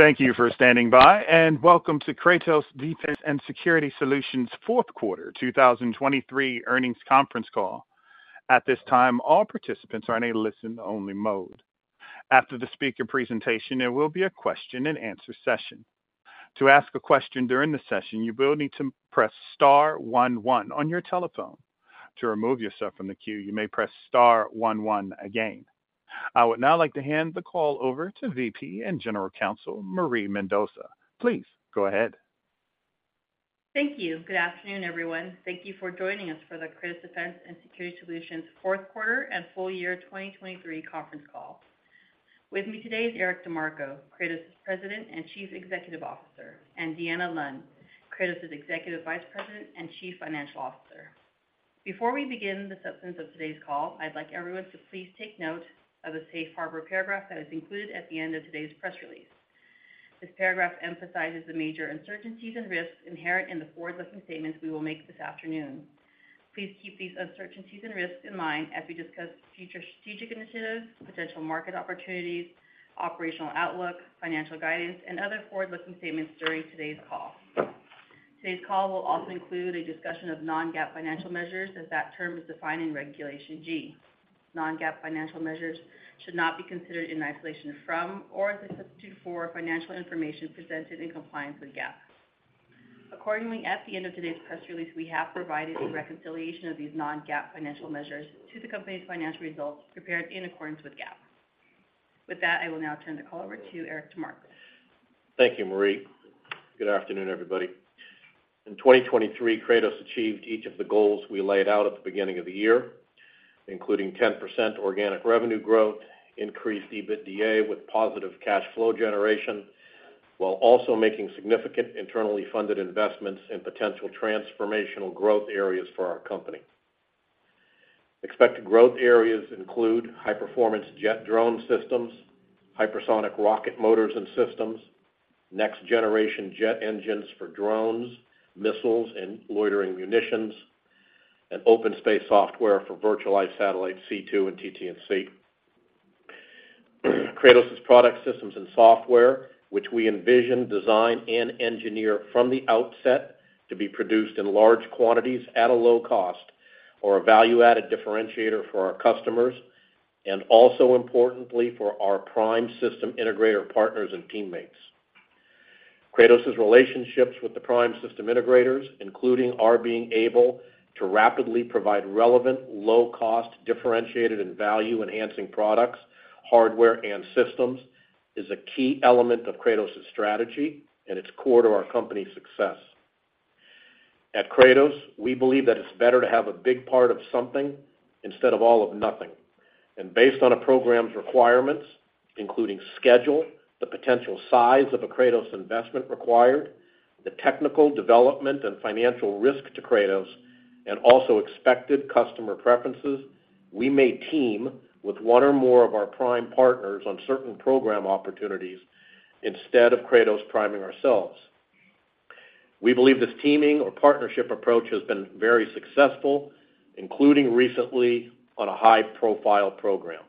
Thank you for standing by and welcome to Kratos Defense & Security Solutions' Fourth Quarter 2023 Earnings Conference Call. At this time, all participants are in a listen-only mode. After the speaker presentation, there will be a question-and-answer session. To ask a question during the session, you will need to press star one one on your telephone. To remove yourself from the queue, you may press star one one again. I would now like to hand the call over to Vice President and General Counsel Marie Mendoza. Please go ahead. Thank you. Good afternoon, everyone. Thank you for joining us for the Kratos Defense & Security Solutions' Fourth Quarter and Full Year 2023 Conference Call. With me today is Eric DeMarco, Kratos' President and Chief Executive Officer, and Deanna Lund, Kratos' Executive Vice President and Chief Financial Officer. Before we begin the substance of today's call, I'd like everyone to please take note of a safe harbor paragraph that is included at the end of today's press release. This paragraph emphasizes the major uncertainties and risks inherent in the forward-looking statements we will make this afternoon. Please keep these uncertainties and risks in mind as we discuss future strategic initiatives, potential market opportunities, operational outlook, financial guidance, and other forward-looking statements during today's call. Today's call will also include a discussion of non-GAAP financial measures, as that term is defined in Regulation G. Non-GAAP financial measures should not be considered in isolation from or as a substitute for financial information presented in compliance with GAAP. Accordingly, at the end of today's press release, we have provided a reconciliation of these Non-GAAP financial measures to the company's financial results prepared in accordance with GAAP. With that, I will now turn the call over to Eric DeMarco. Thank you, Marie. Good afternoon, everybody. In 2023, Kratos achieved each of the goals we laid out at the beginning of the year, including 10% organic revenue growth, increased EBITDA with positive cash flow generation, while also making significant internally funded investments in potential transformational growth areas for our company. Expected growth areas include high-performance jet drone systems, hypersonic rocket motors and systems, next-generation jet engines for drones, missiles, and loitering munitions, and OpenSpace software for virtualized satellites C2 and TT&C. Kratos' products, systems, and software, which we envision, design, and engineer from the outset to be produced in large quantities at a low cost, are a value-added differentiator for our customers and, also importantly, for our prime system integrator partners and teammates. Kratos' relationships with the prime system integrators, including our being able to rapidly provide relevant, low-cost, differentiated, and value-enhancing products, hardware, and systems, is a key element of Kratos' strategy and its core to our company's success. At Kratos, we believe that it's better to have a big part of something instead of all of nothing. Based on a program's requirements, including schedule, the potential size of a Kratos investment required, the technical development and financial risk to Kratos, and also expected customer preferences, we may team with one or more of our prime partners on certain program opportunities instead of Kratos priming ourselves. We believe this teaming or partnership approach has been very successful, including recently on a high-profile program.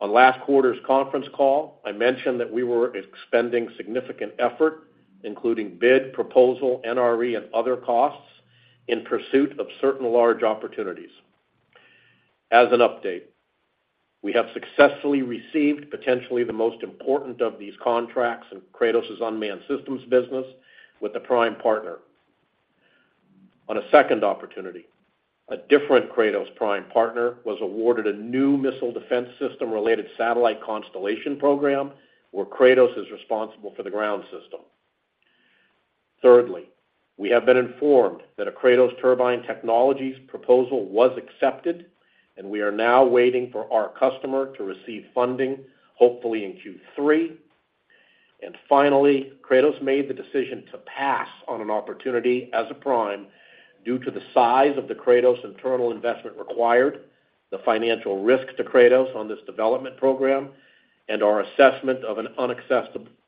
On last quarter's conference call, I mentioned that we were expending significant effort, including bid, proposal, NRE, and other costs, in pursuit of certain large opportunities. As an update, we have successfully received potentially the most important of these contracts in Kratos' Unmanned Systems business with a prime partner. On a second opportunity, a different Kratos prime partner was awarded a new missile defense system-related satellite constellation program where Kratos is responsible for the ground system. Thirdly, we have been informed that a Kratos Turbine Technologies proposal was accepted, and we are now waiting for our customer to receive funding, hopefully in Q3. And finally, Kratos made the decision to pass on an opportunity as a prime due to the size of the Kratos internal investment required, the financial risk to Kratos on this development program, and our assessment of an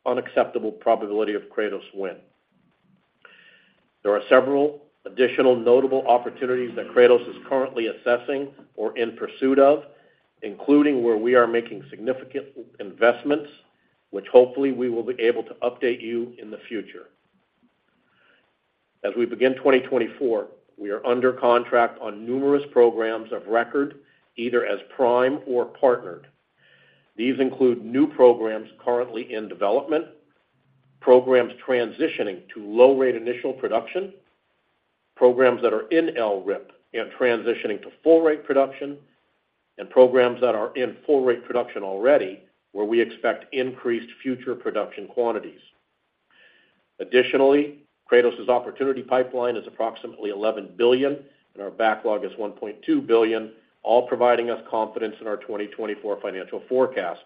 unacceptable probability of Kratos win. There are several additional notable opportunities that Kratos is currently assessing or in pursuit of, including where we are making significant investments, which hopefully we will be able to update you in the future. As we begin 2024, we are under contract on numerous programs of record, either as prime or partnered. These include new programs currently in development, programs transitioning to low-rate initial production, programs that are in LRIP and transitioning to full-rate production, and programs that are in full-rate production already where we expect increased future production quantities. Additionally, Kratos' opportunity pipeline is approximately $11 billion, and our backlog is $1.2 billion, all providing us confidence in our 2024 financial forecast.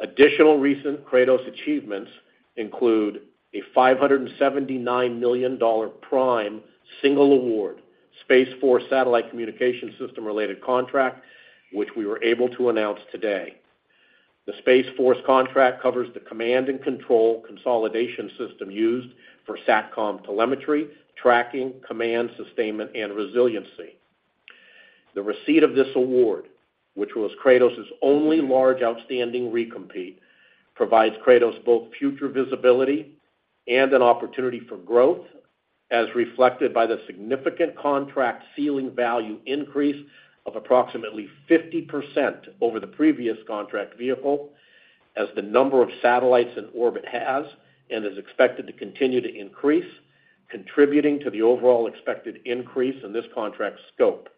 Additional recent Kratos achievements include a $579 million prime single award Space Force satellite communication system-related contract, which we were able to announce today. The Space Force contract covers the command and control consolidation system used for SATCOM telemetry, tracking, command sustainment, and resiliency. The receipt of this award, which was Kratos' only large outstanding recompete, provides Kratos both future visibility and an opportunity for growth, as reflected by the significant contract ceiling value increase of approximately 50% over the previous contract vehicle, as the number of satellites in orbit has and is expected to continue to increase, contributing to the overall expected increase in this contract's scope.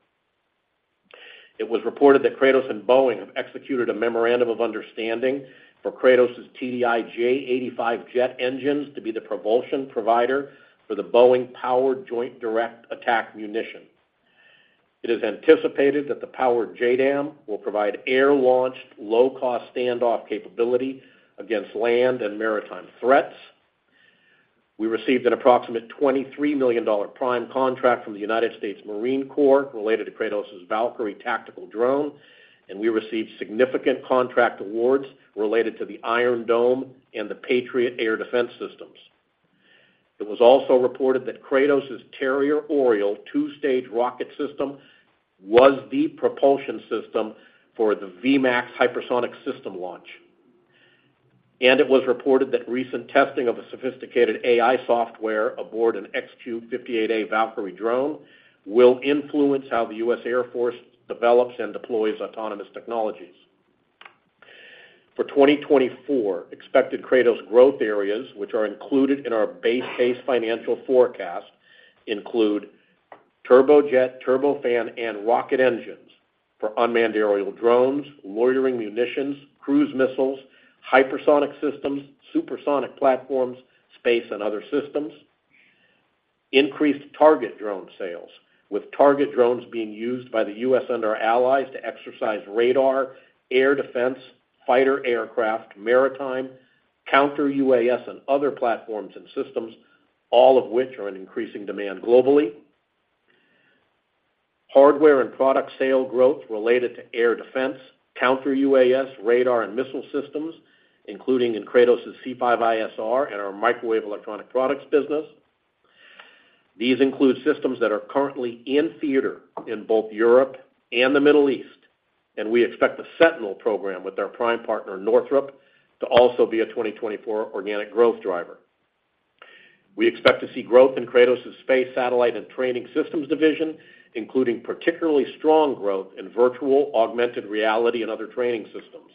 It was reported that Kratos and Boeing have executed a memorandum of understanding for Kratos' TDI-J85 jet engines to be the propulsion provider for the Boeing-powered Joint Direct Attack Munition. It is anticipated that the powered JDAM will provide air-launched, low-cost standoff capability against land and maritime threats. We received an approximate $23 million prime contract from the United States Marine Corps related to Kratos' Valkyrie tactical drone, and we received significant contract awards related to the Iron Dome and the Patriot air defense systems. It was also reported that Kratos' Terrier Oriole two-stage rocket system was the propulsion system for the V-MAX hypersonic system launch. And it was reported that recent testing of a sophisticated AI software aboard an XQ-58A Valkyrie drone will influence how the U.S. Air Force develops and deploys autonomous technologies. For 2024, expected Kratos growth areas, which are included in our base case financial forecast, include turbojet, turbofan, and rocket engines for unmanned aerial drones, loitering munitions, cruise missiles, hypersonic systems, supersonic platforms, space, and other systems; increased target drone sales, with target drones being used by the U.S. and our allies to exercise radar, air defense, fighter aircraft, maritime, counter-UAS, and other platforms and systems, all of which are in increasing demand globally. Hardware and product sale growth related to air defense, counter-UAS, radar, and missile systems, including in Kratos' C5ISR and our microwave electronic products business. These include systems that are currently in theater in both Europe and the Middle East, and we expect the Sentinel program with our prime partner Northrop to also be a 2024 organic growth driver. We expect to see growth in Kratos' space satellite and training systems division, including particularly strong growth in virtual, augmented reality, and other training systems.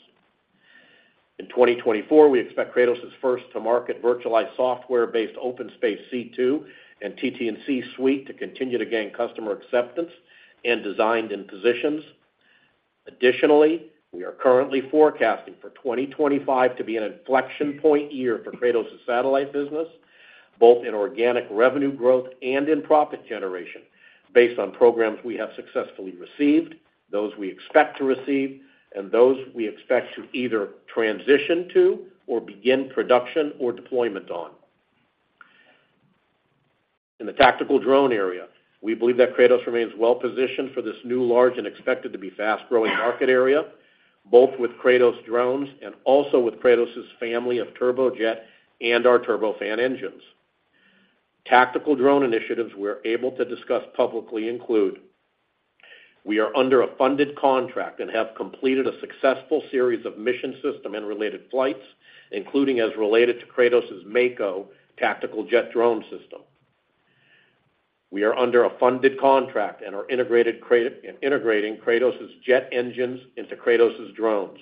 In 2024, we expect Kratos' first-to-market virtualized software-based OpenSpace C2 and TT&C suite to continue to gain customer acceptance and design in positions. Additionally, we are currently forecasting for 2025 to be an inflection point year for Kratos' satellite business, both in organic revenue growth and in profit generation, based on programs we have successfully received, those we expect to receive, and those we expect to either transition to or begin production or deployment on. In the tactical drone area, we believe that Kratos remains well-positioned for this new large and expected to be fast-growing market area, both with Kratos drones and also with Kratos' family of turbojet and our turbofan engines. Tactical drone initiatives we're able to discuss publicly include: we are under a funded contract and have completed a successful series of mission system and related flights, including as related to Kratos' Mako tactical jet drone system. We are under a funded contract and are integrating Kratos' jet engines into Kratos' drones.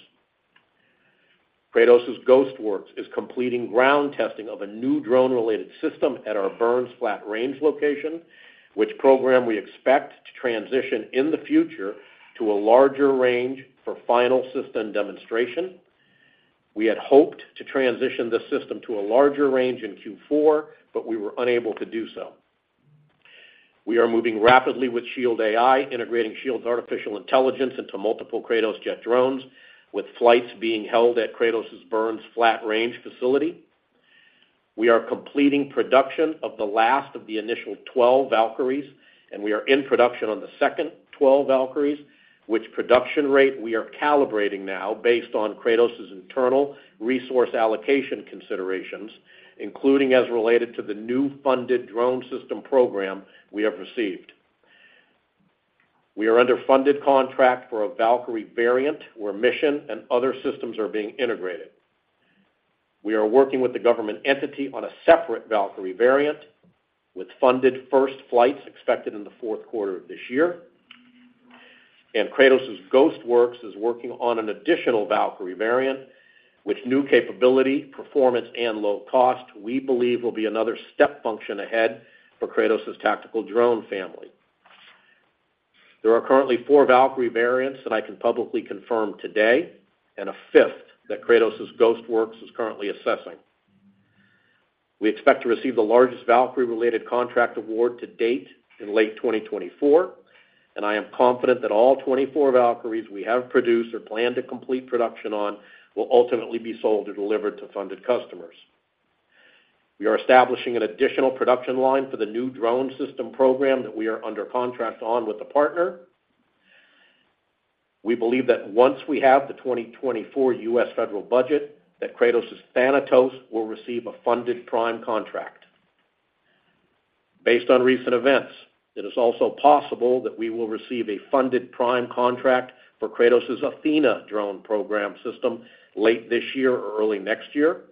Kratos' Ghost Works is completing ground testing of a new drone-related system at our Burns Flat Range location, which program we expect to transition in the future to a larger range for final system demonstration. We had hoped to transition this system to a larger range in Q4, but we were unable to do so. We are moving rapidly with Shield AI, integrating Shield's artificial intelligence into multiple Kratos jet drones, with flights being held at Kratos' Burns Flat Range facility. We are completing production of the last of the initial 12 Valkyries, and we are in production on the second 12 Valkyries, which production rate we are calibrating now based on Kratos' internal resource allocation considerations, including as related to the new funded drone system program we have received. We are under funded contract for a Valkyrie variant where mission and other systems are being integrated. We are working with the government entity on a separate Valkyrie variant, with funded first flights expected in the fourth quarter of this year. Kratos' Ghost Works is working on an additional Valkyrie variant, which new capability, performance, and low cost, we believe will be another step function ahead for Kratos' tactical drone family. There are currently four Valkyrie variants that I can publicly confirm today, and a fifth that Kratos' Ghost Works is currently assessing. We expect to receive the largest Valkyrie-related contract award to date in late 2024, and I am confident that all 24 Valkyries we have produced or plan to complete production on will ultimately be sold or delivered to funded customers. We are establishing an additional production line for the new drone system program that we are under contract on with the partner. We believe that once we have the 2024 U.S. Federal budget, that Kratos' Thanatos will receive a funded prime contract. Based on recent events, it is also possible that we will receive a funded prime contract for Kratos' Athena drone program system late this year or early next year.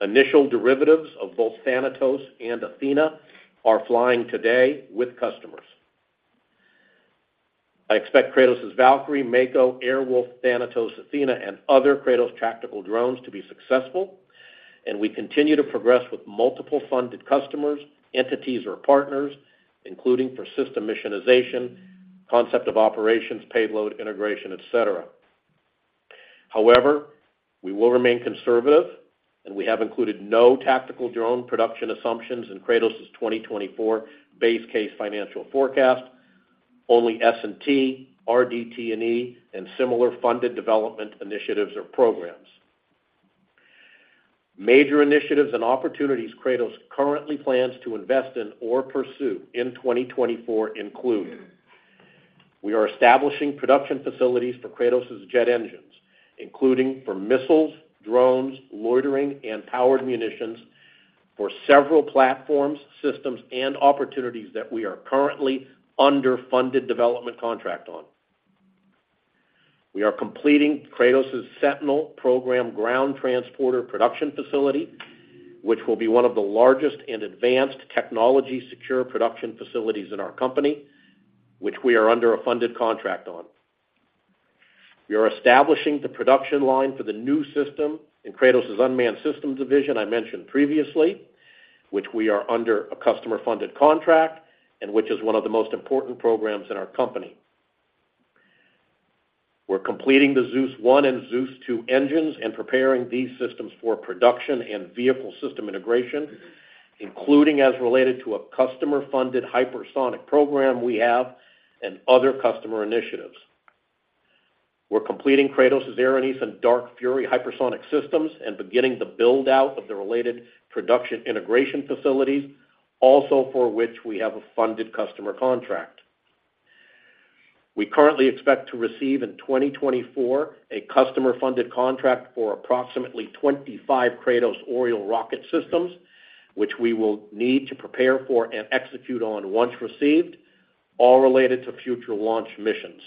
Initial derivatives of both Thanatos and Athena are flying today with customers. I expect Kratos' Valkyrie, Mako, Airwolf, Thanatos, Athena, and other Kratos tactical drones to be successful, and we continue to progress with multiple funded customers, entities, or partners, including for system missionization, concept of operations, payload integration, etc. However, we will remain conservative, and we have included no tactical drone production assumptions in Kratos' 2024 base case financial forecast, only S&T, RDT&E, and similar funded development initiatives or programs. Major initiatives and opportunities Kratos currently plans to invest in or pursue in 2024 include: We are establishing production facilities for Kratos' jet engines, including for missiles, drones, loitering, and powered munitions for several platforms, systems, and opportunities that we are currently under a funded development contract on. We are completing Kratos' Sentinel program ground transporter production facility, which will be one of the largest and advanced technology-secure production facilities in our company, which we are under a funded contract on. We are establishing the production line for the new system in Kratos' unmanned system division I mentioned previously, which we are under a customer-funded contract and which is one of the most important programs in our company. We're completing the Zeus 1 and Zeus 2 engines and preparing these systems for production and vehicle system integration, including as related to a customer-funded hypersonic program we have and other customer initiatives. We're completing Kratos' Erinyes and Dark Fury hypersonic systems and beginning the build-out of the related production integration facilities, also for which we have a funded customer contract. We currently expect to receive in 2024 a customer-funded contract for approximately 25 Kratos Oriole rocket systems, which we will need to prepare for and execute on once received, all related to future launch missions.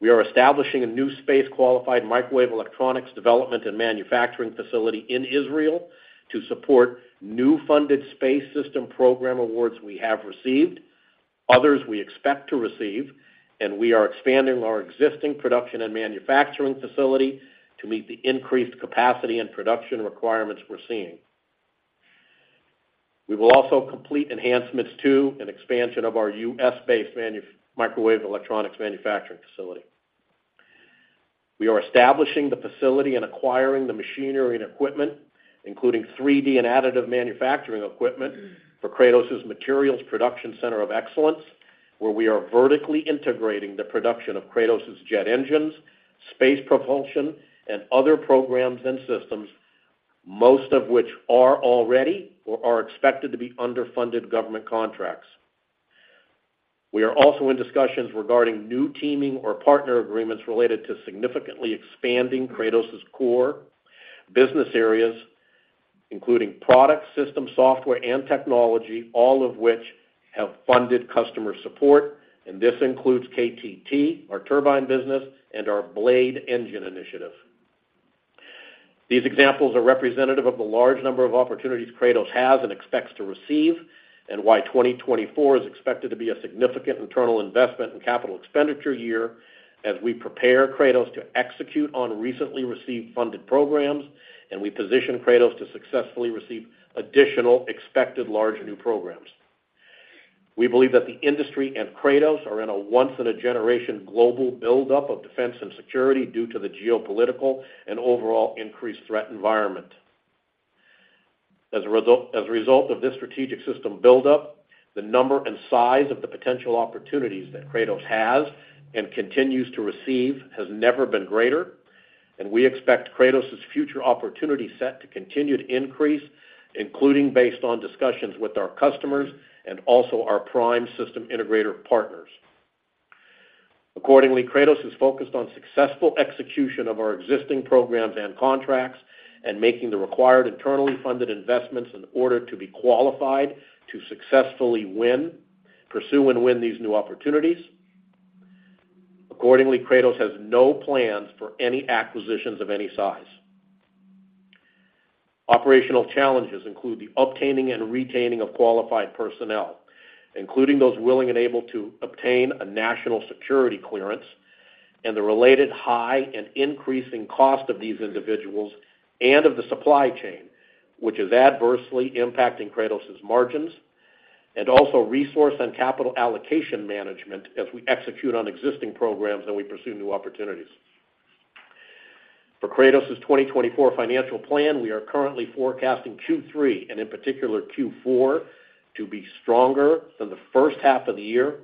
We are establishing a new space-qualified microwave electronics development and manufacturing facility in Israel to support new funded space system program awards we have received, others we expect to receive, and we are expanding our existing production and manufacturing facility to meet the increased capacity and production requirements we're seeing. We will also complete enhancements to an expansion of our U.S.-based microwave electronics manufacturing facility. We are establishing the facility and acquiring the machinery and equipment, including 3D and additive manufacturing equipment, for Kratos' Materials Production Center of Excellence, where we are vertically integrating the production of Kratos' jet engines, space propulsion, and other programs and systems, most of which are already or are expected to be under funded government contracts. We are also in discussions regarding new teaming or partner agreements related to significantly expanding Kratos' core business areas, including product, system, software, and technology, all of which have funded customer support, and this includes KTT, our turbine business, and our blade engine initiative. These examples are representative of the large number of opportunities Kratos has and expects to receive and why 2024 is expected to be a significant internal investment and capital expenditure year as we prepare Kratos to execute on recently received funded programs, and we position Kratos to successfully receive additional expected large new programs. We believe that the industry and Kratos are in a once-in-a-generation global buildup of defense and security due to the geopolitical and overall increased threat environment. As a result of this strategic system buildup, the number and size of the potential opportunities that Kratos has and continues to receive has never been greater, and we expect Kratos' future opportunity set to continue to increase, including based on discussions with our customers and also our prime system integrator partners. Accordingly, Kratos is focused on successful execution of our existing programs and contracts and making the required internally funded investments in order to be qualified to successfully win, pursue, and win these new opportunities. Accordingly, Kratos has no plans for any acquisitions of any size. Operational challenges include the obtaining and retaining of qualified personnel, including those willing and able to obtain a national security clearance, and the related high and increasing cost of these individuals and of the supply chain, which is adversely impacting Kratos' margins, and also resource and capital allocation management as we execute on existing programs and we pursue new opportunities. For Kratos' 2024 financial plan, we are currently forecasting Q3 and, in particular, Q4 to be stronger than the first half of the year,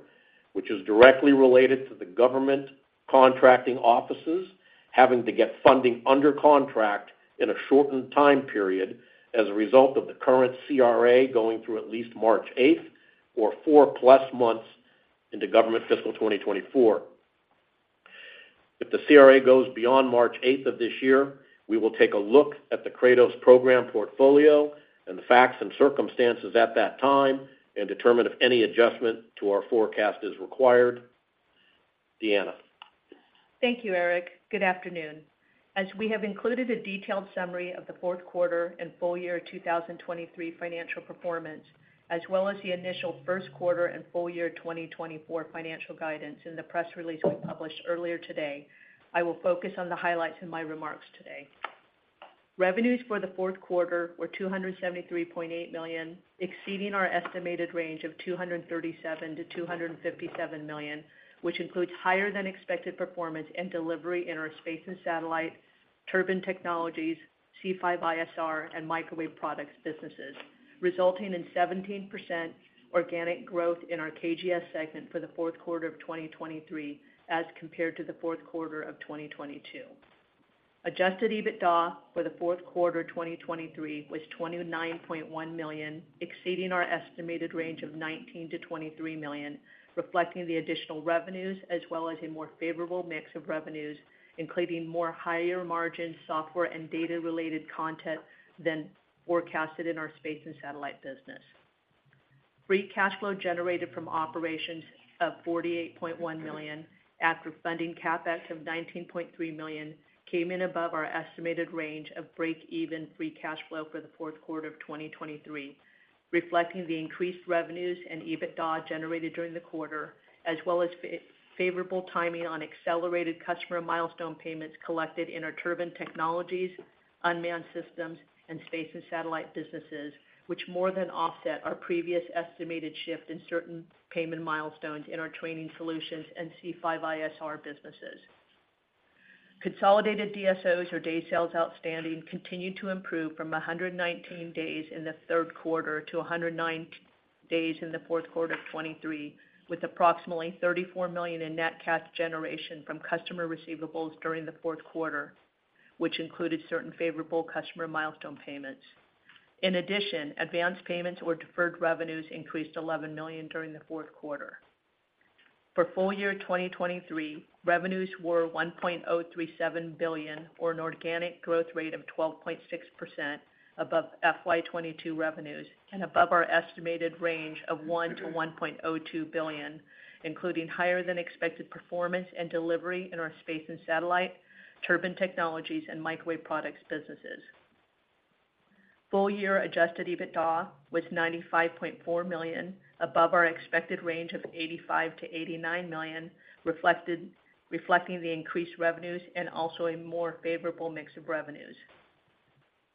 which is directly related to the government contracting offices having to get funding under contract in a shortened time period as a result of the current CRA going through at least March 8th or four-plus months into government fiscal 2024. If the CRA goes beyond March 8th of this year, we will take a look at the Kratos program portfolio and the facts and circumstances at that time and determine if any adjustment to our forecast is required. Deanna. Thank you, Eric. Good afternoon. As we have included a detailed summary of the fourth quarter and full year 2023 financial performance, as well as the initial first quarter and full year 2024 financial guidance in the press release we published earlier today, I will focus on the highlights in my remarks today. Revenues for the fourth quarter were $273.8 million, exceeding our estimated range of $237 million to $257 million, which includes higher-than-expected performance and delivery in our Space & Satellite, Turbine Technologies, C5ISR, and Microwave Products businesses, resulting in 17% organic growth in our KGS segment for the fourth quarter of 2023 as compared to the fourth quarter of 2022. Adjusted EBITDA for the fourth quarter 2023 was $29.1 million, exceeding our estimated range of $19 to $23 million, reflecting the additional revenues as well as a more favorable mix of revenues, including more higher-margin software and data-related content than forecasted in our Space & Satellite business. Free cash flow generated from operations of $48.1 million after funding CapEx of $19.3 million came in above our estimated range of break-even free cash flow for the fourth quarter of 2023, reflecting the increased revenues and EBITDA generated during the quarter, as well as favorable timing on accelerated customer milestone payments collected in our Turbine Technologies, Unmanned Systems, and Space & Satellite businesses, which more than offset our previous estimated shift in certain payment milestones in our Training Solutions and C5ISR businesses. Consolidated DSOs or day sales outstanding continued to improve from 119 days in the third quarter to 109 days in the fourth quarter of 2023, with approximately $34 million in net cash generation from customer receivables during the fourth quarter, which included certain favorable customer milestone payments. In addition, advanced payments or deferred revenues increased $11 million during the fourth quarter. For full year 2023, revenues were $1.037 billion or an organic growth rate of 12.6% above FY 2022 revenues and above our estimated range of $1-$1.02 billion, including higher-than-expected performance and delivery in our Space & Satellite, Turbine Technologies, and Microwave Products businesses. Full year Adjusted EBITDA was $95.4 million, above our expected range of $85-$89 million, reflecting the increased revenues and also a more favorable mix of revenues.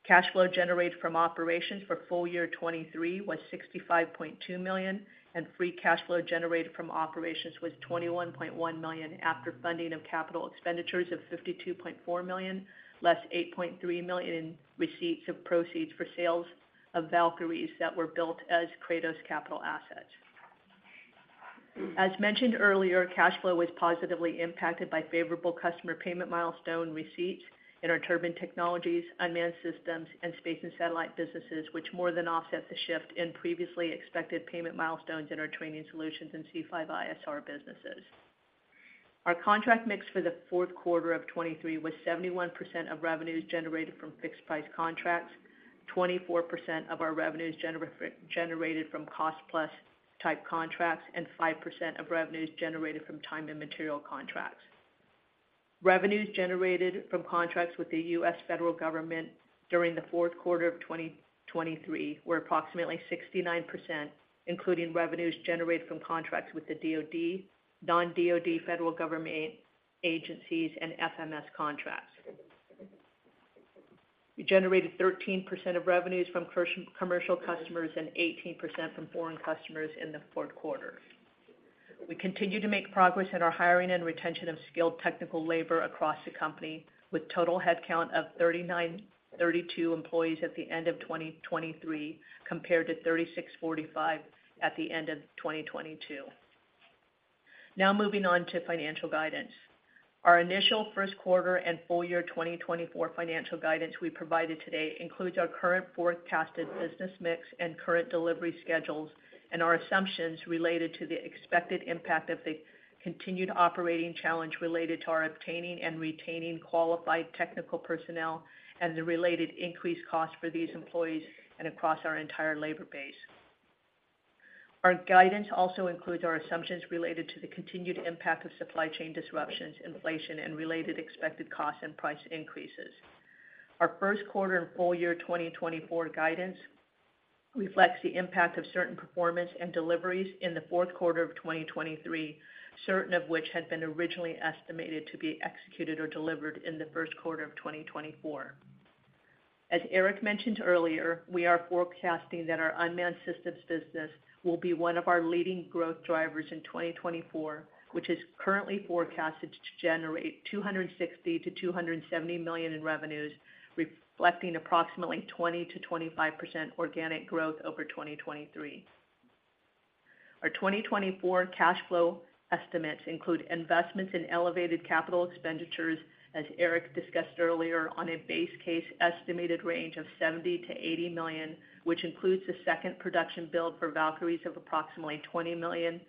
Cash flow generated from operations for full year 2023 was $65.2 million, and free cash flow generated from operations was $21.1 million after funding of capital expenditures of $52.4 million, less $8.3 million in receipts of proceeds for sales of Valkyries that were built as Kratos capital assets. As mentioned earlier, cash flow was positively impacted by favorable customer payment milestone receipts in our Turbine Technologies, Unmanned Systems, and Space & Satellite businesses, which more than offset the shift in previously expected payment milestones in our Training Solutions and C5ISR businesses. Our contract mix for the fourth quarter of 2023 was 71% of revenues generated from fixed-price contracts, 24% of our revenues generated from cost-plus type contracts, and 5% of revenues generated from time and material contracts. Revenues generated from contracts with the U.S. federal government during the fourth quarter of 2023 were approximately 69%, including revenues generated from contracts with the DoD, non-DoD federal government agencies, and FMS contracts. We generated 13% of revenues from commercial customers and 18% from foreign customers in the fourth quarter. We continue to make progress in our hiring and retention of skilled technical labor across the company, with total headcount of 3,932 employees at the end of 2023 compared to 3,645 at the end of 2022. Now moving on to financial guidance. Our initial first quarter and full year 2024 financial guidance we provided today includes our current forecasted business mix and current delivery schedules and our assumptions related to the expected impact of the continued operating challenge related to our obtaining and retaining qualified technical personnel and the related increased costs for these employees and across our entire labor base. Our guidance also includes our assumptions related to the continued impact of supply chain disruptions, inflation, and related expected costs and price increases. Our first quarter and full year 2024 guidance reflects the impact of certain performance and deliveries in the fourth quarter of 2023, certain of which had been originally estimated to be executed or delivered in the first quarter of 2024. As Eric mentioned earlier, we are forecasting that our Unmanned Systems business will be one of our leading growth drivers in 2024, which is currently forecasted to generate $260 million to $270 million in revenues, reflecting approximately 20% to 25% organic growth over 2023. Our 2024 cash flow estimates include investments in elevated capital expenditures, as Eric discussed earlier, on a base case estimated range of $70 million-$80 million, which includes a second production build for Valkyries of approximately $20 million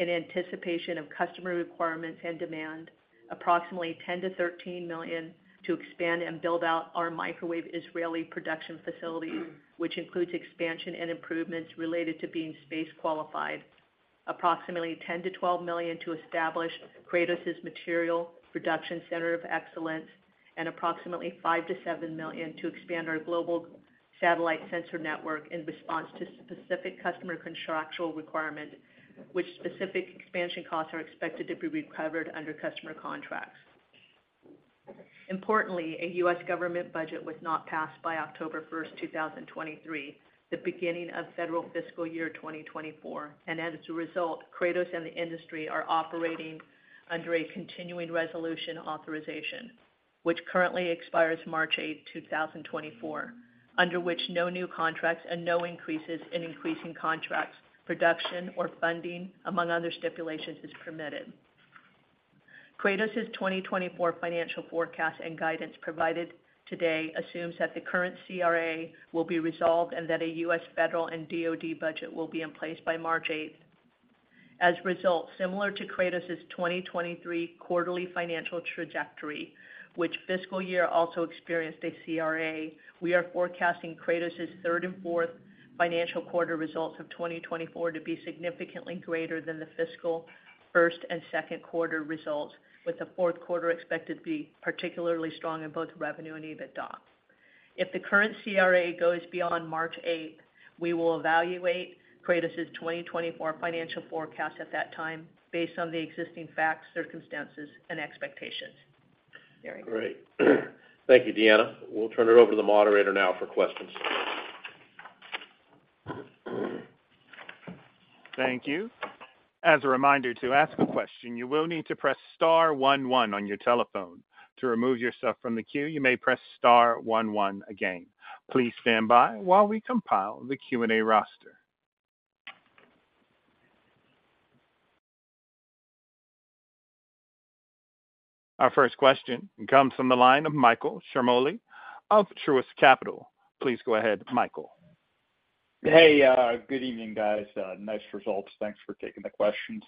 in anticipation of customer requirements and demand, approximately $10 million to $13 million to expand and build out our microwave Israeli production facilities, which includes expansion and improvements related to being space-qualified, approximately $10 million to $12 million to establish Kratos' Material Production Center of Excellence, and approximately $5 million to $7 million to expand our global satellite sensor network in response to specific customer contractual requirements, which specific expansion costs are expected to be recovered under customer contracts. Importantly, a U.S. government budget was not passed by October 1st, 2023, the beginning of federal fiscal year 2024, and as a result, Kratos and the industry are operating under a continuing resolution authorization, which currently expires March 8th, 2024, under which no new contracts and no increases in increasing contracts, production, or funding, among other stipulations, is permitted. Kratos' 2024 financial forecast and guidance provided today assumes that the current CRA will be resolved and that a U.S. federal and DoD budget will be in place by March 8th. As a result, similar to Kratos' 2023 quarterly financial trajectory, which fiscal year also experienced a CRA, we are forecasting Kratos' third and fourth financial quarter results of 2024 to be significantly greater than the fiscal first and second quarter results, with the fourth quarter expected to be particularly strong in both revenue and EBITDA. If the current CRA goes beyond March 8th, we will evaluate Kratos' 2024 financial forecast at that time based on the existing facts, circumstances, and expectations. Thank you, Deanna. We'll turn it over to the moderator now for questions. Thank you. As a reminder, to ask a question, you will need to press star one one on your telephone. To remove yourself from the queue, you may press star one one again. Please stand by while we compile the Q&A roster. Our first question comes from the line of Michael Ciarmoli of Truist Securities. Please go ahead, Michael. Hey, good evening, guys. Nice results. Thanks for taking the questions.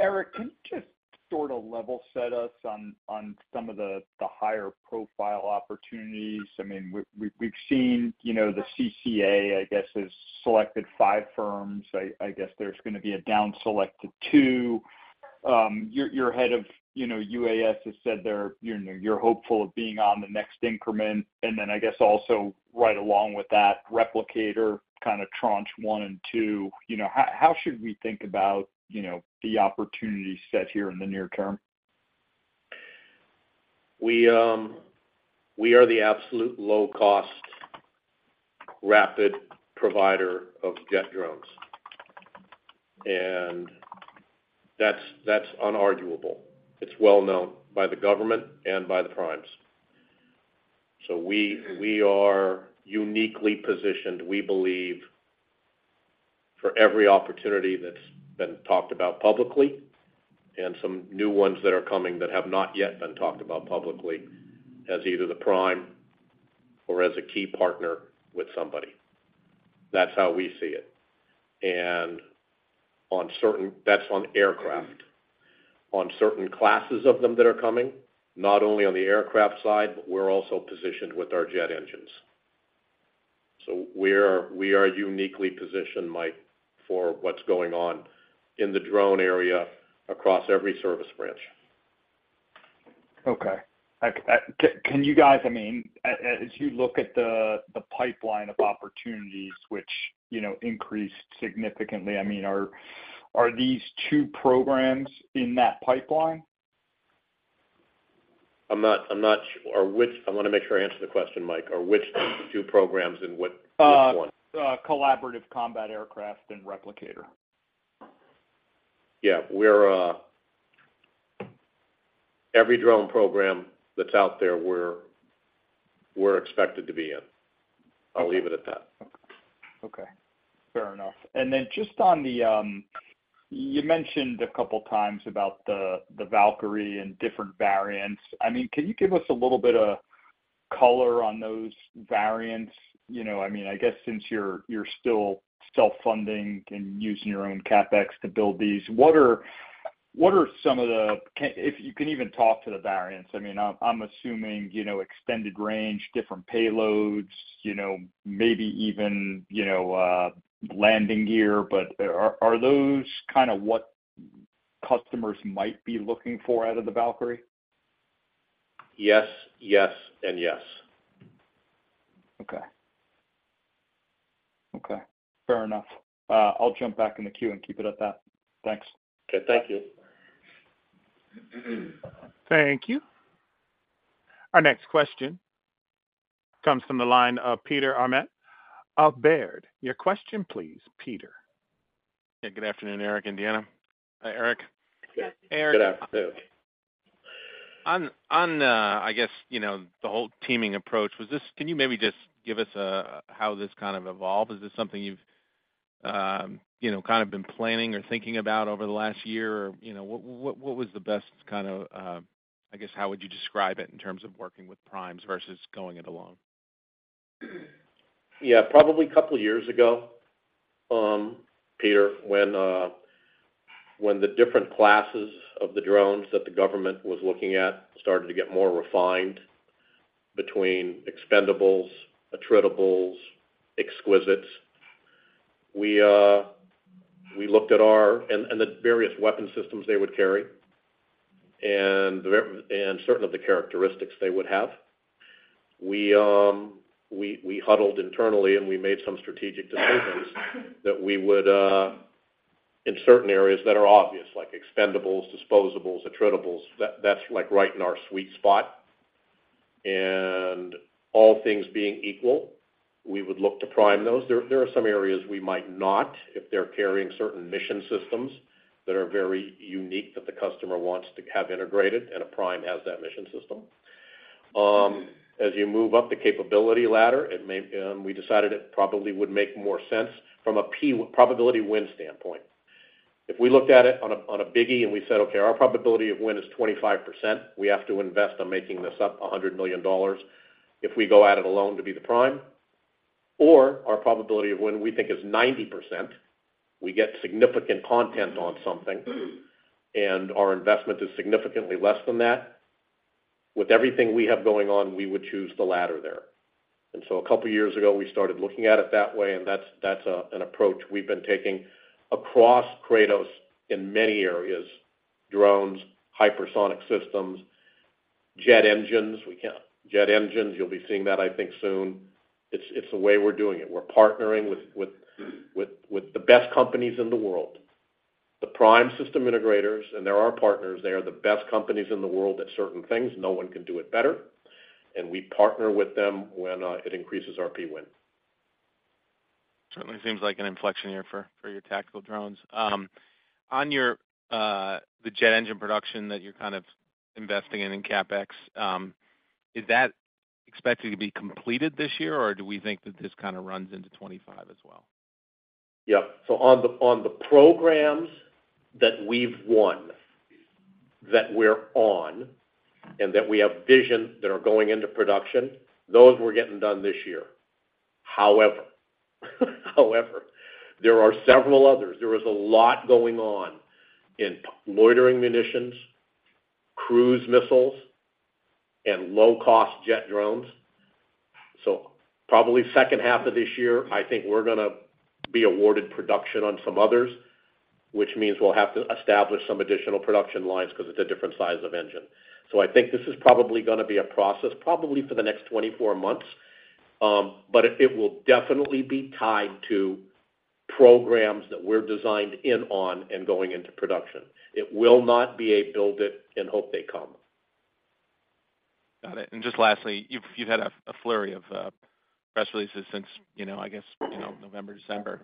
Eric, can you just sort of level set us on some of the higher-profile opportunities? I mean, we've seen the CCA, I guess, has selected 5 firms. I guess there's going to be a downselect to two. Your head of UAS has said you're hopeful of being on the next increment, and then I guess also right along with that, Replicator kind of Tranche 1 and 2. How should we think about the opportunity set here in the near term? We are the absolute low-cost, rapid provider of jet drones, and that's unarguable. It's well known by the government and by the primes. So we are uniquely positioned, we believe, for every opportunity that's been talked about publicly and some new ones that are coming that have not yet been talked about publicly as either the prime or as a key partner with somebody. That's how we see it. And that's on aircraft. On certain classes of them that are coming, not only on the aircraft side, but we're also positioned with our jet engines. So we are uniquely positioned, Mike, for what's going on in the drone area across every service branch. Okay. Can you guys I mean, as you look at the pipeline of opportunities which increased significantly, I mean, are these two programs in that pipeline? I'm not sure. I want to make sure I answer the question, Mike. Are which two programs and which one? Collaborative Combat Aircraft and Replicator. Yeah. Every drone program that's out there, we're expected to be in. I'll leave it at that. Okay. Fair enough. And then just on the you mentioned a couple of times about the Valkyrie and different variants. I mean, can you give us a little bit of color on those variants? I mean, I guess since you're still self-funding and using your own CapEx to build these, what are some of the if you can even talk to the variants. I mean, I'm assuming extended range, different payloads, maybe even landing gear, but are those kind of what customers might be looking for out of the Valkyrie? Yes. Yes. And yes. Okay. Okay. Fair enough. I'll jump back in the queue and keep it at that. Thanks. Okay. Thank you. Thank you. Our next question comes from the line of Peter Arment of Baird. Your question, Please, Peter. Yeah. Good afternoon, Eric and Deanna. Hi, Eric. Good afternoon. On, I guess, the whole teaming approach, can you maybe just give us how this kind of evolved? Is this something you've kind of been planning or thinking about over the last year? Or what was the best kind of I guess, how would you describe it in terms of working with primes versus going it alone? Yeah. Probably a couple of years ago, Peter, when the different classes of the drones that the government was looking at started to get more refined between expendables, attritables, exquisites, we looked at our and the various weapon systems they would carry and certain of the characteristics they would have. We huddled internally, and we made some strategic decisions that we would in certain areas that are obvious, like expendables, disposables, attritables, that's right in our sweet spot. All things being equal, we would look to prime those. There are some areas we might not if they're carrying certain mission systems that are very unique that the customer wants to have integrated, and a prime has that mission system. As you move up the capability ladder, we decided it probably would make more sense from a probability win standpoint. If we looked at it on a big picture and we said, "Okay. Our probability of win is 25%. We have to invest in making this up to $100 million if we go at it alone to be the prime," or our probability of win we think is 90%, we get significant content on something, and our investment is significantly less than that, with everything we have going on, we would choose the latter there. So a couple of years ago, we started looking at it that way, and that's an approach we've been taking across Kratos in many areas: drones, hypersonic systems, jet engines. Jet engines, you'll be seeing that, I think, soon. It's the way we're doing it. We're partnering with the best companies in the world, the prime system integrators, and they're our partners. They are the best companies in the world at certain things. No one can do it better. And we partner with them when it increases our P win. Certainly seems like an inflection year for your tactical drones. On the jet engine production that you're kind of investing in and CapEx, is that expected to be completed this year, or do we think that this kind of runs into 2025 as well? Yeah. So on the programs that we've won that we're on and that we have vision that are going into production, those we're getting done this year. However, there are several others. There is a lot going on in loitering munitions, cruise missiles, and low-cost jet drones. So probably second half of this year, I think we're going to be awarded production on some others, which means we'll have to establish some additional production lines because it's a different size of engine. So, I think this is probably going to be a process probably for the next 24 months, but it will definitely be tied to programs that we're designed in on and going into production. It will not be a build it and hope they come. Got it. And just lastly, you've had a flurry of press releases since, I guess, November, December,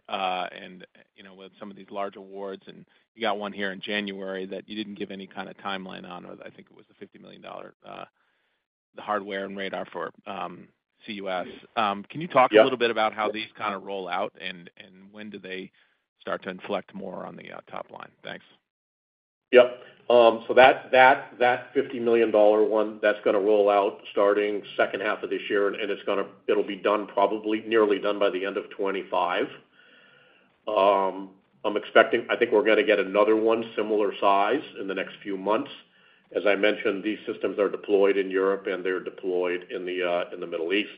with some of these large awards. And you got one here in January that you didn't give any kind of timeline on, or I think it was the $50 million the hardware and radar for C-UAS. Can you talk a little bit about how these kind of roll out, and when do they start to inflect more on the top line? Thanks. Yep. So that $50 million one, that's going to roll out starting second half of this year, and it'll be done probably nearly done by the end of 2025. I think we're going to get another one similar size in the next few months. As I mentioned, these systems are deployed in Europe, and they're deployed in the Middle East.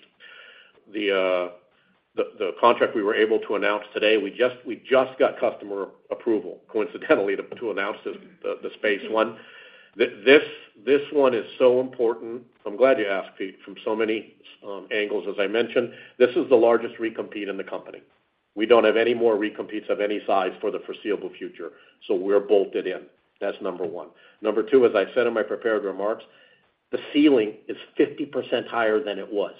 The contract we were able to announce today, we just got customer approval, coincidentally, to announce the space one. This one is so important. I'm glad you asked, Pete, from so many angles. As I mentioned, this is the largest recompete in the company. We don't have any more recompetes of any size for the foreseeable future, so we're bolted in. That's number one. Number two, as I said in my prepared remarks, the ceiling is 50% higher than it was.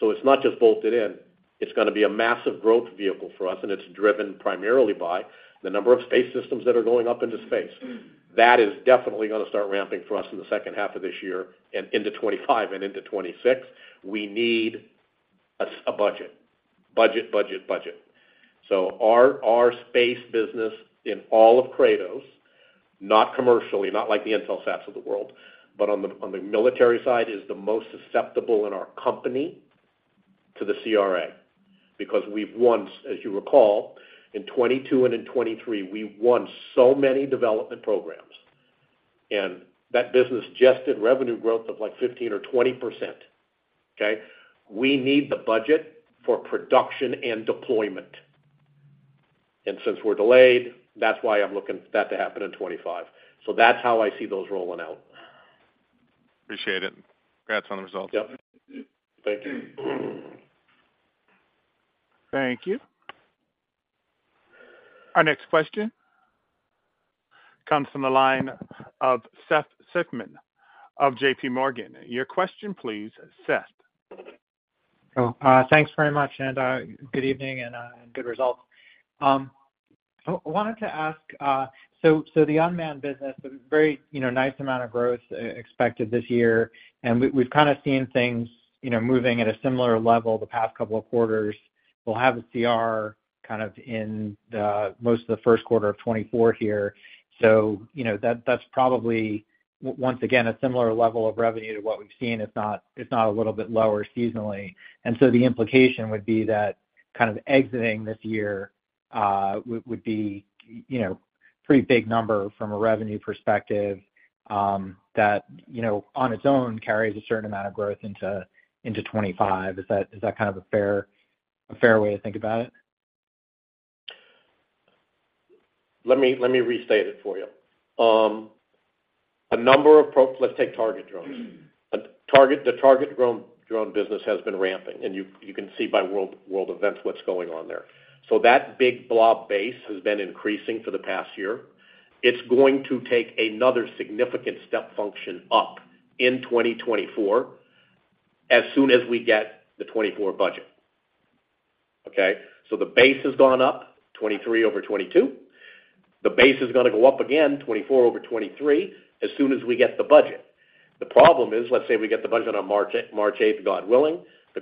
So it's not just bolted in. It's going to be a massive growth vehicle for us, and it's driven primarily by the number of space systems that are going up into space. That is definitely going to start ramping for us in the second half of this year and into 2025 and into 2026. We need a budget, budget, budget, budget. So our space business in all of Kratos, not commercially, not like the Intelsats of the world, but on the military side, is the most susceptible in our company to the CRA because we've won, as you recall, in 2022 and in 2023, we won so many development programs, and that business posted revenue growth of like 15% or 20%. Okay? We need the budget for production and deployment. And since we're delayed, that's why I'm looking for that to happen in 2025. So that's how I see those rolling out. Appreciate it. Congrats on the results. Yep. Thank you. Thank you. Our next question comes from the line of Seth Seifman of JPMorgan. Your question, please, Seth. Oh, thanks very much, and good evening and good results. I wanted to ask so the unmanned business, a very nice amount of growth expected this year, and we've kind of seen things moving at a similar level the past couple of quarters. We'll have a CR kind of in most of the first quarter of 2024 here. So that's probably, once again, a similar level of revenue to what we've seen. It's not a little bit lower seasonally. And so the implication would be that kind of exiting this year would be a pretty big number from a revenue perspective that on its own carries a certain amount of growth into 2025. Is that kind of a fair way to think about it? Let me restate it for you. A number of, let's take target drones. The target drone business has been ramping, and you can see by world events what's going on there. So that big blob base has been increasing for the past year. It's going to take another significant step function up in 2024 as soon as we get the 2024 budget. Okay? So the base has gone up, 2023 over 2022. The base is going to go up again, 2024 over 2023, as soon as we get the budget. The problem is, let's say we get the budget on March 8th, God willing, the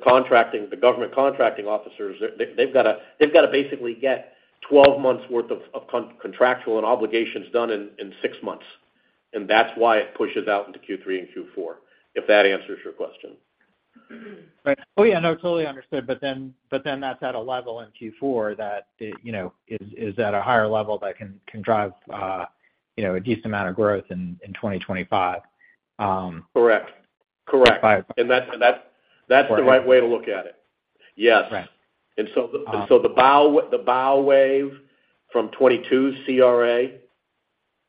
government contracting officers, they've got to basically get 12 months' worth of contractual and obligations done in 6 months. And that's why it pushes out into Q3 and Q4, if that answers your question. Right. Oh, yeah. No, totally understood. But then that's at a level in Q4 that is at a higher level that can drive a decent amount of growth in 2025. Correct. Correct. And that's the right way to look at it. Yes. And so the bow wave from 2022 CRA,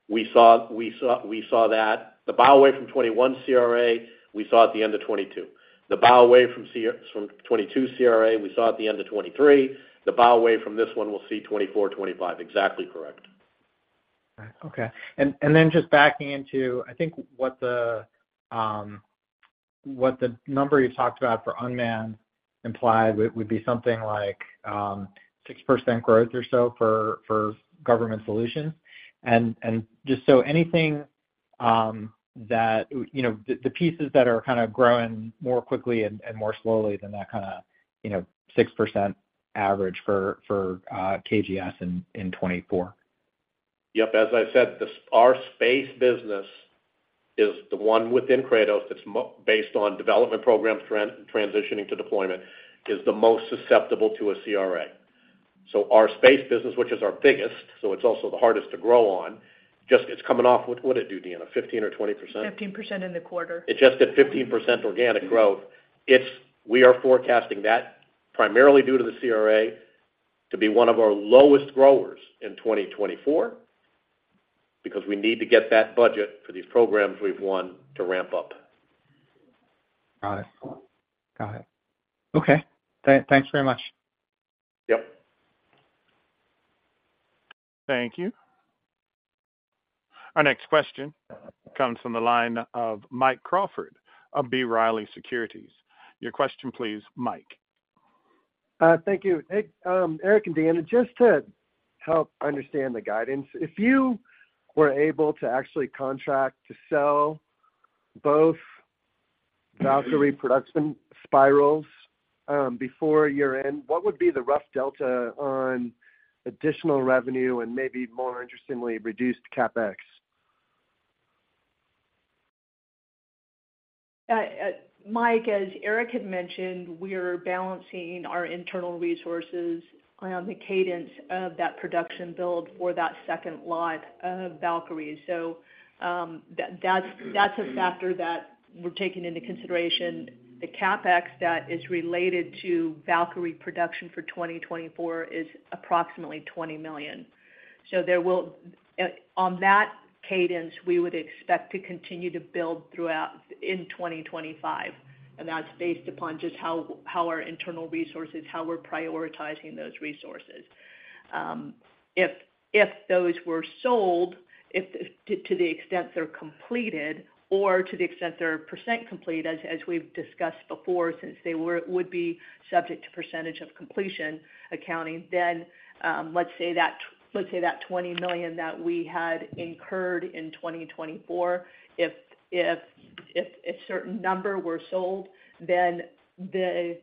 we saw that. The bow wave from 2021 CRA, we saw at the end of 2022. The bow wave from 2022 CRA, we saw at the end of 2023. The bow wave from this one, we'll see 2024, 2025. Exactly correct. Okay. And then just backing into, I think, what the number you talked about for unmanned implied would be something like 6% growth or so for government solutions. And just so anything that the pieces that are kind of growing more quickly and more slowly than that kind of 6% average for KGS in 2024. Yep. As I said, our space business is the one within Kratos that's based on development programs transitioning to deployment is the most susceptible to a CRA. So our space business, which is our biggest, so it's also the hardest to grow on, it's coming off what did it do, Deanna? 15% or 20%? 15% in the quarter. It just did 15% organic growth. We are forecasting that, primarily due to the CRA, to be one of our lowest growers in 2024 because we need to get that budget for these programs we've won to ramp up. Got it. Got it. Okay. Thanks very much. Thank you. Our next question comes from the line of Mike Crawford of B. Riley Securities. Your question, please, Mike. Thank you. Eric and Deanna, just to help understand the guidance, if you were able to actually contract to sell both Valkyrie production spirals before year-end, what would be the rough delta on additional revenue and maybe, more interestingly, reduced CapEx? Mike, as Eric had mentioned, we're balancing our internal resources on the cadence of that production build for that second lot of Valkyrie. So that's a factor that we're taking into consideration. The CapEx that is related to Valkyrie production for 2024 is approximately $20 million. So on that cadence, we would expect to continue to build throughout in 2025. And that's based upon just how our internal resources, how we're prioritizing those resources. If those were sold, to the extent they're completed or to the extent they're percent complete, as we've discussed before since they would be subject to percentage of completion accounting, then let's say that $20 million that we had incurred in 2024, if a certain number were sold, then the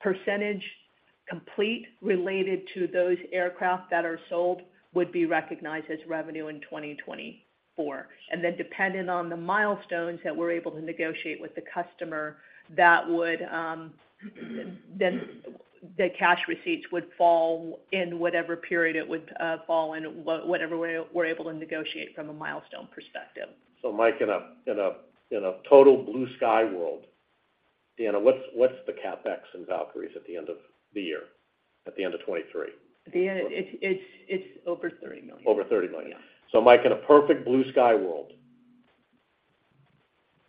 percentage complete related to those aircraft that are sold would be recognized as revenue in 2024. And then depending on the milestones that we're able to negotiate with the customer, then the cash receipts would fall in whatever period it would fall in, whatever we're able to negotiate from a milestone perspective. So Mike, in a total blue-sky world, Deanna, what's the CapEx in Valkyries at the end of the year, at the end of 2023? it's over $30 million. Over $30 million. So Mike, in a perfect blue-sky world,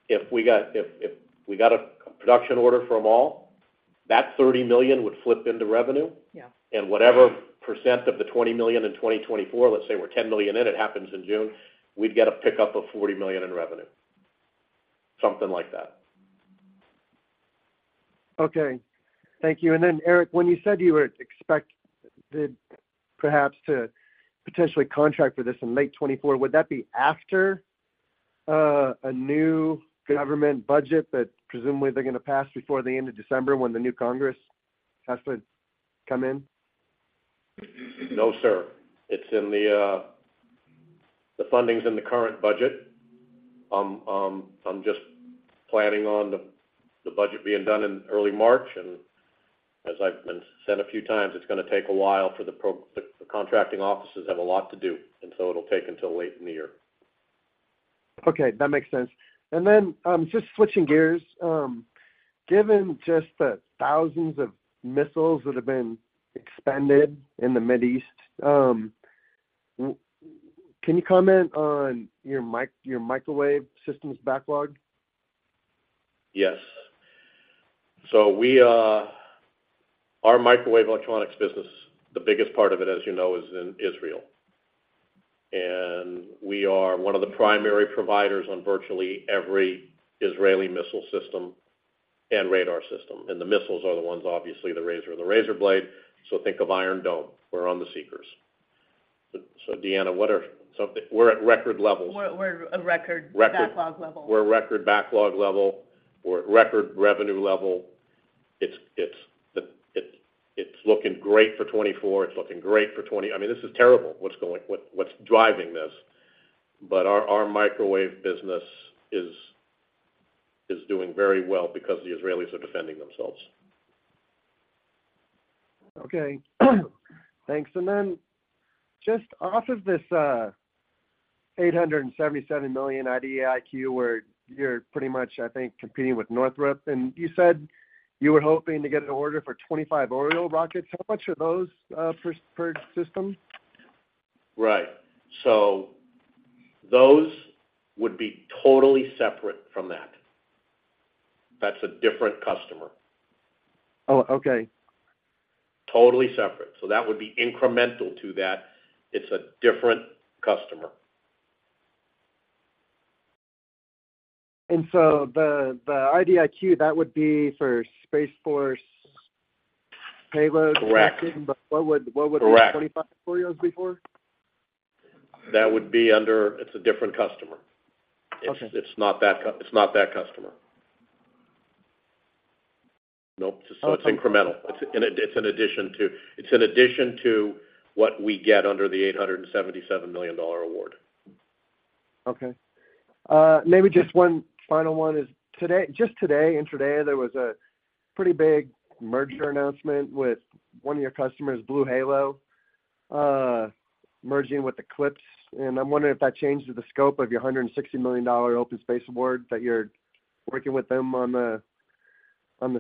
if we got a production order from all, that $30 million would flip into revenue. And whatever % of the $20 million in 2024, let's say we're $10 million in, it happens in June, we'd get a pickup of $40 million in revenue, something like that. Okay. Thank you. And then, Eric, when you said you would expect perhaps to potentially contract for this in late 2024, would that be after a new government budget that presumably they're going to pass before the end of December when the new Congress has to come in? No, sir. The funding's in the current budget. I'm just planning on the budget being done in early March. And as I've said a few times, it's going to take a while for the contracting offices to have a lot to do, and so it'll take until late in the year. Okay. That makes sense. And then just switching gears, given just the thousands of missiles that have been expended in the Mideast, can you comment on your microwave systems backlog? Yes. So our microwave electronics business, the biggest part of it, as you know, is in Israel. And we are one of the primary providers on virtually every Israeli missile system and radar system. And the missiles are the ones, obviously, the razor and the razor blade. So think of Iron Dome. We're on the seekers. So, Deanna, we're at record levels. We're at record backlog level. We're at record backlog level. We're at record revenue level. It's looking great for 2024. It's looking great for 2020. I mean, this is terrible. What's driving this? But our microwave business is doing very well because the Israelis are defending themselves. Okay. Thanks. And then just off of this $877 million IDIQ, where you're pretty much, I think, competing with Northrop, and you said you were hoping to get an order for 25 Oriole rockets. How much are those per system? Right. So those would be totally separate from that. That's a different customer. Totally separate. So that would be incremental to that. It's a different customer. And so the IDIQ, that would be for Space Force payload tracking, but what would the 25 Orioles be for? That would be under. It's a different customer. It's not that customer. Nope. So it's incremental. It's in addition to. It's in addition to what we get under the $877 million award. Okay. Maybe just one final one is just today and today, there was a pretty big merger announcement with one of your customers, BlueHalo, merging with Eqlipse. And I'm wondering if that changed the scope of your $160 million OpenSpace award that you're working with them on the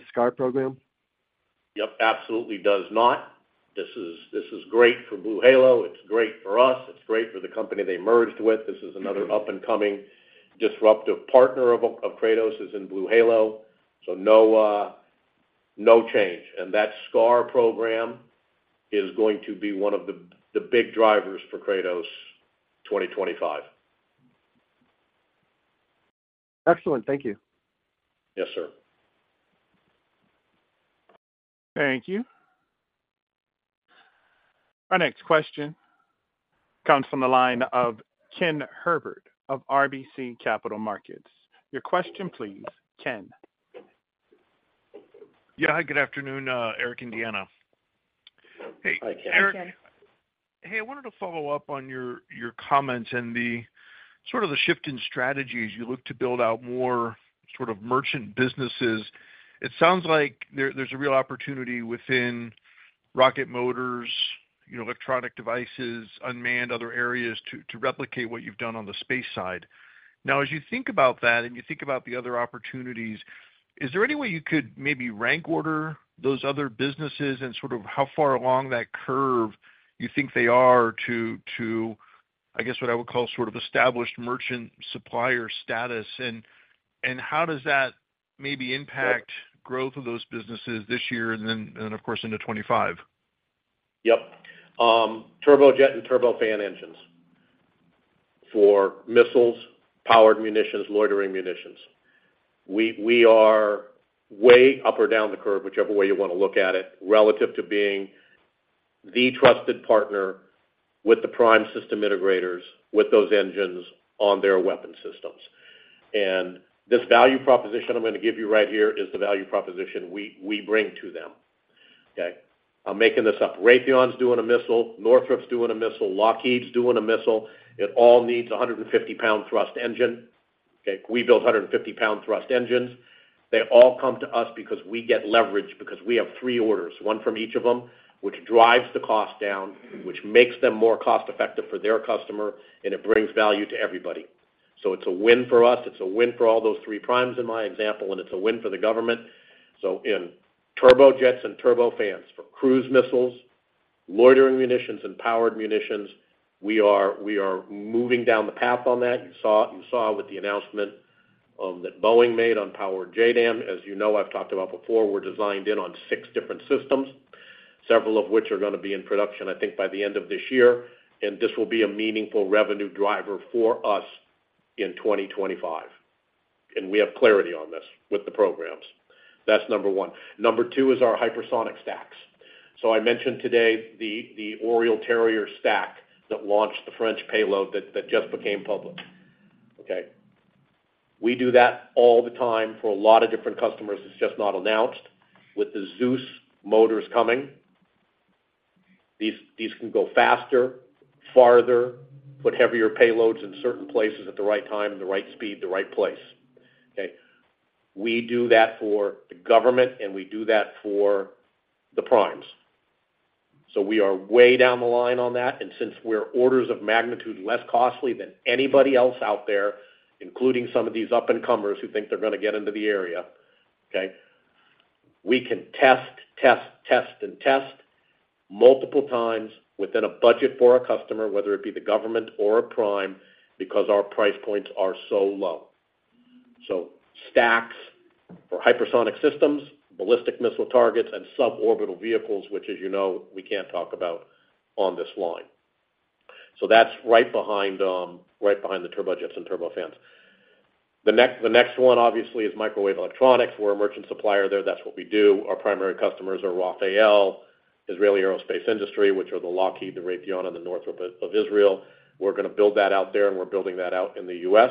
SCAR program. Yep. Absolutely does not. This is great for BlueHalo. It's great for us. It's great for the company they merged with. This is another up-and-coming disruptive partner of Kratos is in BlueHalo. So no change. And that SCAR program is going to be one of the big drivers for Kratos 2025. Excellent. Thank you. Yes, sir. Thank you. Our next question comes from the line of Ken Herbert of RBC Capital Markets. Your question, please, Ken. Yeah. Hi. Good afternoon, Eric and Deanna. Hey. Hi, Ken. Eric. Hey. I wanted to follow up on your comments and sort of the shift in strategies. You look to build out more sort of merchant businesses. It sounds like there's a real opportunity within rocket motors, electronic devices, unmanned, other areas to replicate what you've done on the space side. Now, as you think about that and you think about the other opportunities, is there any way you could maybe rank order those other businesses and sort of how far along that curve you think they are to, I guess, what I would call sort of established merchant supplier status? And how does that maybe impact growth of those businesses this year and then, of course, into 2025? Yep. Turbojet and turbofan engines for missiles, powered munitions, loitering munitions. We are way up or down the curve, whichever way you want to look at it, relative to being the trusted partner with the prime system integrators with those engines on their weapon systems. This value proposition I'm going to give you right here is the value proposition we bring to them. Okay? I'm making this up. Raytheon's doing a missile. Northrop's doing a missile. Lockheed's doing a missile. It all needs a 150-lbs thrust engine. Okay? We build 150-lbs thrust engines. They all come to us because we get leverage, because we have three orders, one from each of them, which drives the cost down, which makes them more cost-effective for their customer, and it brings value to everybody. It's a win for us. It's a win for all those three primes in my example, and it's a win for the government. So in turbojets and turbofans, for cruise missiles, loitering munitions, and powered munitions, we are moving down the path on that. You saw with the announcement that Boeing made on powered JDAM. As you know, I've talked about before, we're designed in on six different systems, several of which are going to be in production, I think, by the end of this year. And this will be a meaningful revenue driver for us in 2025. And we have clarity on this with the programs. That's number one. Number two is our hypersonic stacks. So I mentioned today the Oriole Terrier stack that launched the French payload that just became public. Okay? We do that all the time for a lot of different customers. It's just not announced. With the Zeus motors coming, these can go faster, farther, put heavier payloads in certain places at the right time, the right speed, the right place. Okay? We do that for the government, and we do that for the primes. So we are way down the line on that. And since we're orders of magnitude less costly than anybody else out there, including some of these up-and-comers who think they're going to get into the area, okay, we can test, test, test, and test multiple times within a budget for a customer, whether it be the government or a prime, because our price points are so low. So stacks for hypersonic systems, ballistic missile targets, and suborbital vehicles, which, as you know, we can't talk about on this line. So that's right behind the turbojets and turbofans. The next one, obviously, is microwave electronics. We're a merchant supplier there. That's what we do. Our primary customers are Rafael, Israel Aerospace Industries, which are the Lockheed, the Raytheon, and the Northrop of Israel. We're going to build that out there, and we're building that out in the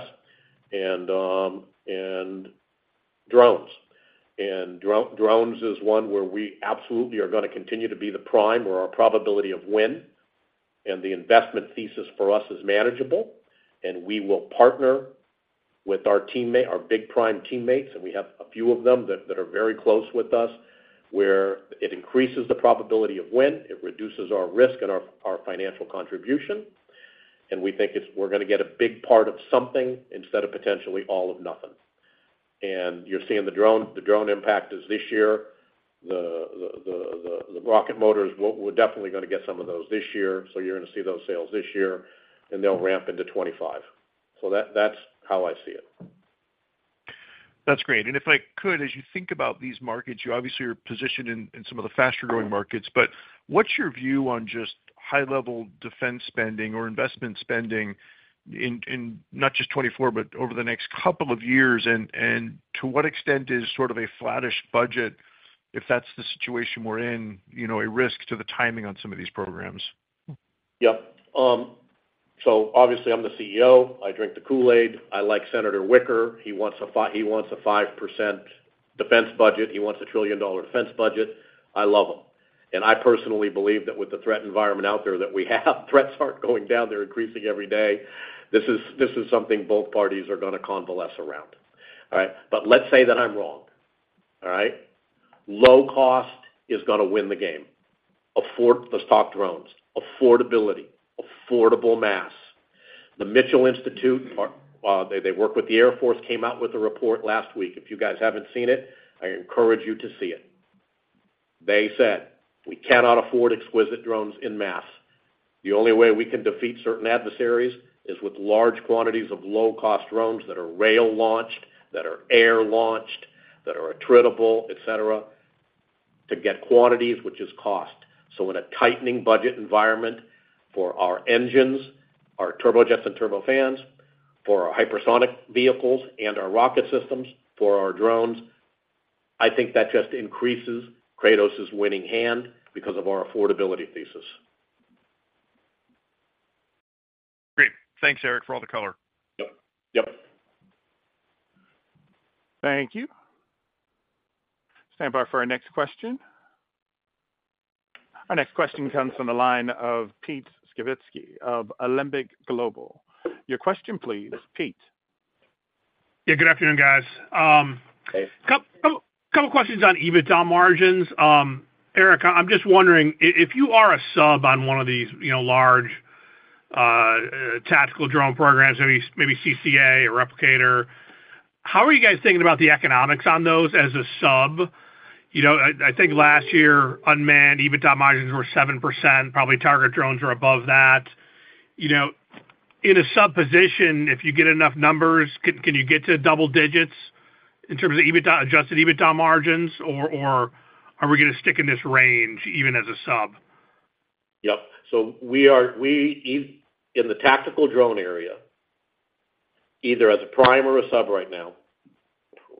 U.S. And drones. And drones is one where we absolutely are going to continue to be the prime, where our probability of win and the investment thesis for us is manageable. And we will partner with our big prime teammates, and we have a few of them that are very close with us, where it increases the probability of win. It reduces our risk and our financial contribution. And we think we're going to get a big part of something instead of potentially all of nothing. And you're seeing the drone impact is this year. The rocket motors were definitely going to get some of those this year. So you're going to see those sales this year, and they'll ramp into 2025. So that's how I see it. That's great. And if I could, as you think about these markets, you obviously are positioned in some of the faster-growing markets. But what's your view on just high-level defense spending or investment spending in not just 2024 but over the next couple of years? And to what extent is sort of a flat-ish budget, if that's the situation we're in, a risk to the timing on some of these programs? Yep. So obviously, I'm the CEO. I drink the Kool-Aid. I like Senator Wicker. He wants a 5% defense budget. He wants a trillion-dollar defense budget. I love him. And I personally believe that with the threat environment out there that we have, threats aren't going down. They're increasing every day. This is something both parties are going to coalesce around. All right? But let's say that I'm wrong. All right? Low cost is going to win the game. Let's talk drones. Affordability, affordable mass. The Mitchell Institute, they work with the Air Force, came out with a report last week. If you guys haven't seen it, I encourage you to see it. They said, "We cannot afford exquisite drones in mass. The only way we can defeat certain adversaries is with large quantities of low-cost drones that are rail-launched, that are air-launched, that are attritable, etc., to get quantities, which is cost." So in a tightening budget environment for our engines, our turbojets and turbofans, for our hypersonic vehicles and our rocket systems, for our drones, I think that just increases Kratos's winning hand because of our affordability thesis. Great. Thanks, Eric, for all the color. Yep. Yep. Thank you. Stand by for our next question. Our next question comes from the line of Pete Skibitski of Alembic Global. Your question, please, Pete. Yeah. Good afternoon, guys. A couple of questions on EBITDA margins. Eric, I'm just wondering, if you are a sub on one of these large tactical drone programs, maybe CCA or Replicator, how are you guys thinking about the economics on those as a sub? I think last year, unmanned EBITDA margins were 7%. Probably target drones were above that. In a sub position, if you get enough numbers, can you get to double digits in terms of adjusted EBITDA margins, or are we going to stick in this range even as a sub? Yep. So in the tactical drone area, either as a prime or a sub right now,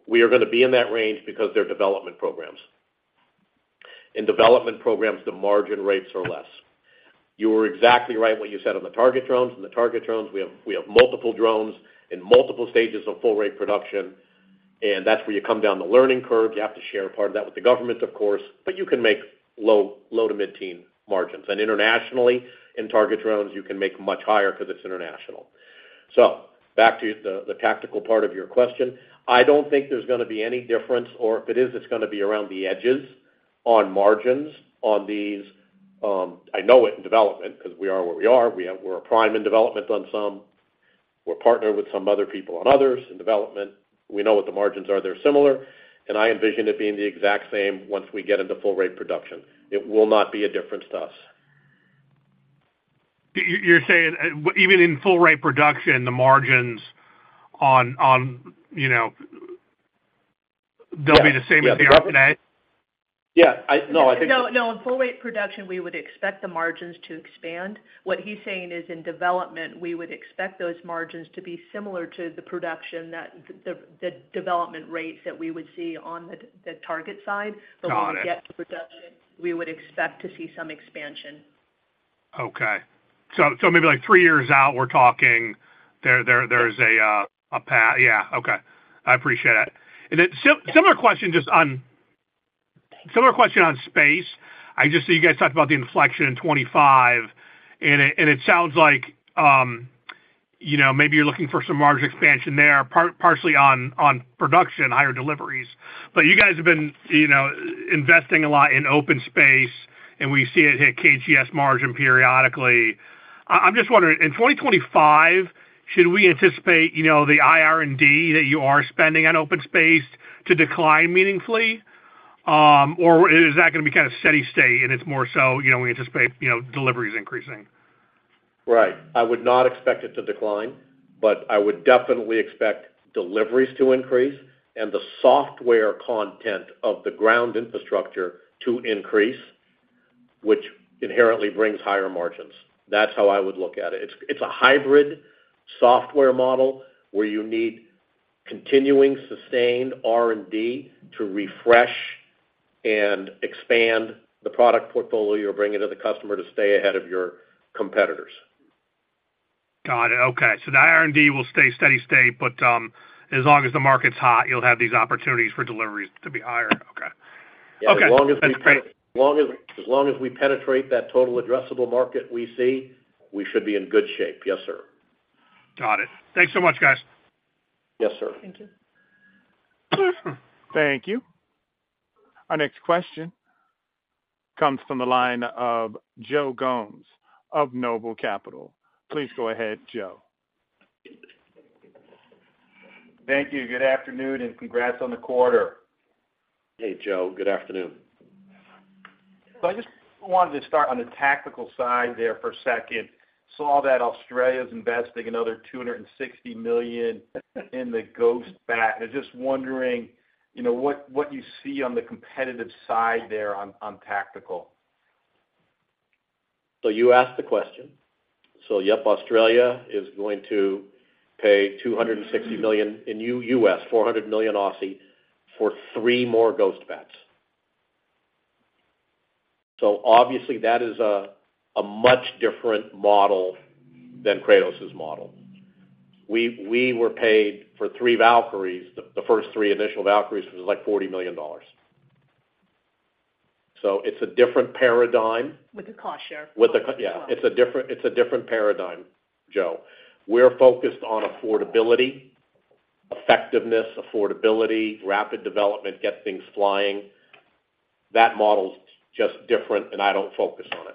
we are going to be in that range because they're development programs. In development programs, the margin rates are less. You were exactly right what you said on the target drones. In the target drones, we have multiple drones in multiple stages of full-rate production. That's where you come down the learning curve. You have to share a part of that with the government, of course, but you can make low to mid-team margins. Internationally, in target drones, you can make much higher because it's international. Back to the tactical part of your question. I don't think there's going to be any difference, or if it is, it's going to be around the edges on margins on these. I know it in development because we are where we are. We're a prime in development on some. We're partnered with some other people on others in development. We know what the margins are. They're similar. And I envision it being the exact same once we get into full-rate production. It will not be a difference to us. You're saying even in full-rate production, the margins, they'll be the same as they are today? Yeah. No, I think. No, in full-rate production, we would expect the margins to expand. What he's saying is in development, we would expect those margins to be similar to the development rates that we would see on the target side. But when we get to production, we would expect to see some expansion. Okay. So maybe like three years out, we're talking there's a path. Yeah. Okay. I appreciate that. And then similar question just on similar question on space. I just see you guys talked about the inflection in 2025. And it sounds like maybe you're looking for some margin expansion there, partially on production, higher deliveries. But you guys have been investing a lot in OpenSpace, and we see it hit KGS margin periodically. I'm just wondering, in 2025, should we anticipate the IR&D that you are spending on OpenSpace to decline meaningfully? Or is that going to be kind of steady-state, and it's more so we anticipate deliveries increasing? Right. I would not expect it to decline, but I would definitely expect deliveries to increase and the software content of the ground infrastructure to increase, which inherently brings higher margins. That's how I would look at it. It's a hybrid software model where you need continuing, sustained R&D to refresh and expand the product portfolio or bring it to the customer to stay ahead of your competitors. Got it. Okay. So the IR&D will stay steady-state, but as long as the market's hot, you'll have these opportunities for deliveries to be higher. Okay. Okay. As long as we penetrate that total addressable market we see, we should be in good shape. Yes, sir. Got it. Thanks so much, guys. Yes, sir. Thank you. Thank you. Our next question comes from the line of Joe Gomes of Noble Capital. Please go ahead, Joe. Thank you. Good afternoon and congrats on the quarter. Hey, Joe. Good afternoon. So I just wanted to start on the tactical side there for a second. Saw that Australia's investing another $260 million in the Ghost Bat. And just wondering what you see on the competitive side there on tactical. So you asked the question. So yep, Australia is going to pay $260 million in US, AUD 400 million Aussie, for three more Ghost Bats. So obviously, that is a much different model than Kratos's model. We were paid for three Valkyries. The first three initial Valkyries was like $40 million. So it's a different paradigm. With the cost share. With the cost share. Yeah. It's a different paradigm, Joe. We're focused on affordability, effectiveness, affordability, rapid development, get things flying. That model's just different, and I don't focus on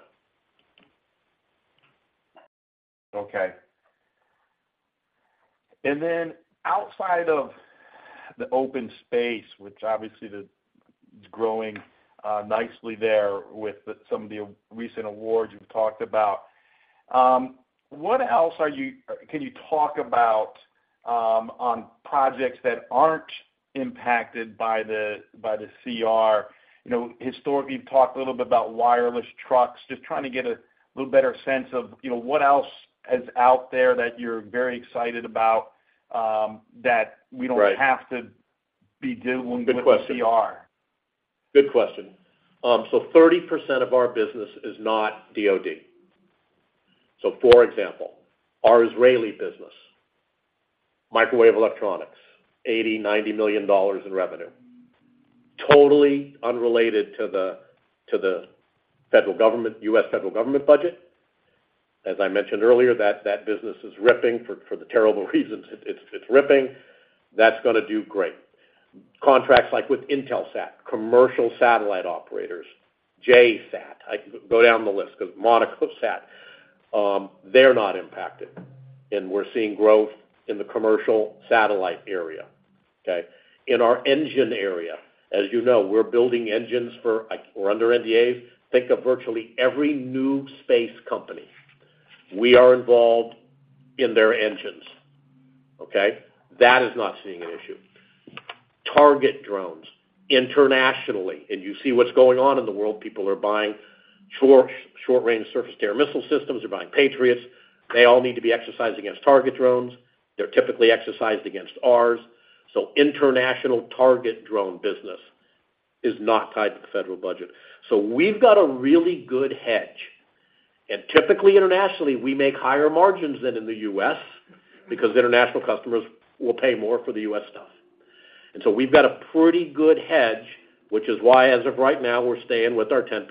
it. Okay. And then outside of the OpenSpace, which obviously is growing nicely there with some of the recent awards you've talked about, what else can you talk about on projects that aren't impacted by the CR? Historically, you've talked a little bit about wireless trucks, just trying to get a little better sense of what else is out there that you're very excited about that we don't have to be dealing with CR. Good question. Good question. So 30% of our business is not DoD. So for example, our Israeli business, microwave electronics, $80-$90 million in revenue, totally unrelated to the U.S. federal government budget. As I mentioned earlier, that business is ripping for the terrible reasons. It's ripping. That's going to do great. Contracts like with Intelsat, commercial satellite operators, JSAT, go down the list because MonacoSat, they're not impacted. And we're seeing growth in the commercial satellite area. Okay? In our engine area, as you know, we're building engines for we're under NDAs. Think of virtually every new space company. We are involved in their engines. Okay? That is not seeing an issue. Target drones internationally, and you see what's going on in the world. People are buying short-range surface-to-air missile systems. They're buying Patriots. They all need to be exercised against target drones. They're typically exercised against ours. So international target drone business is not tied to the federal budget. So we've got a really good hedge. And typically, internationally, we make higher margins than in the US because international customers will pay more for the US stuff. And so we've got a pretty good hedge, which is why, as of right now, we're staying with our 10%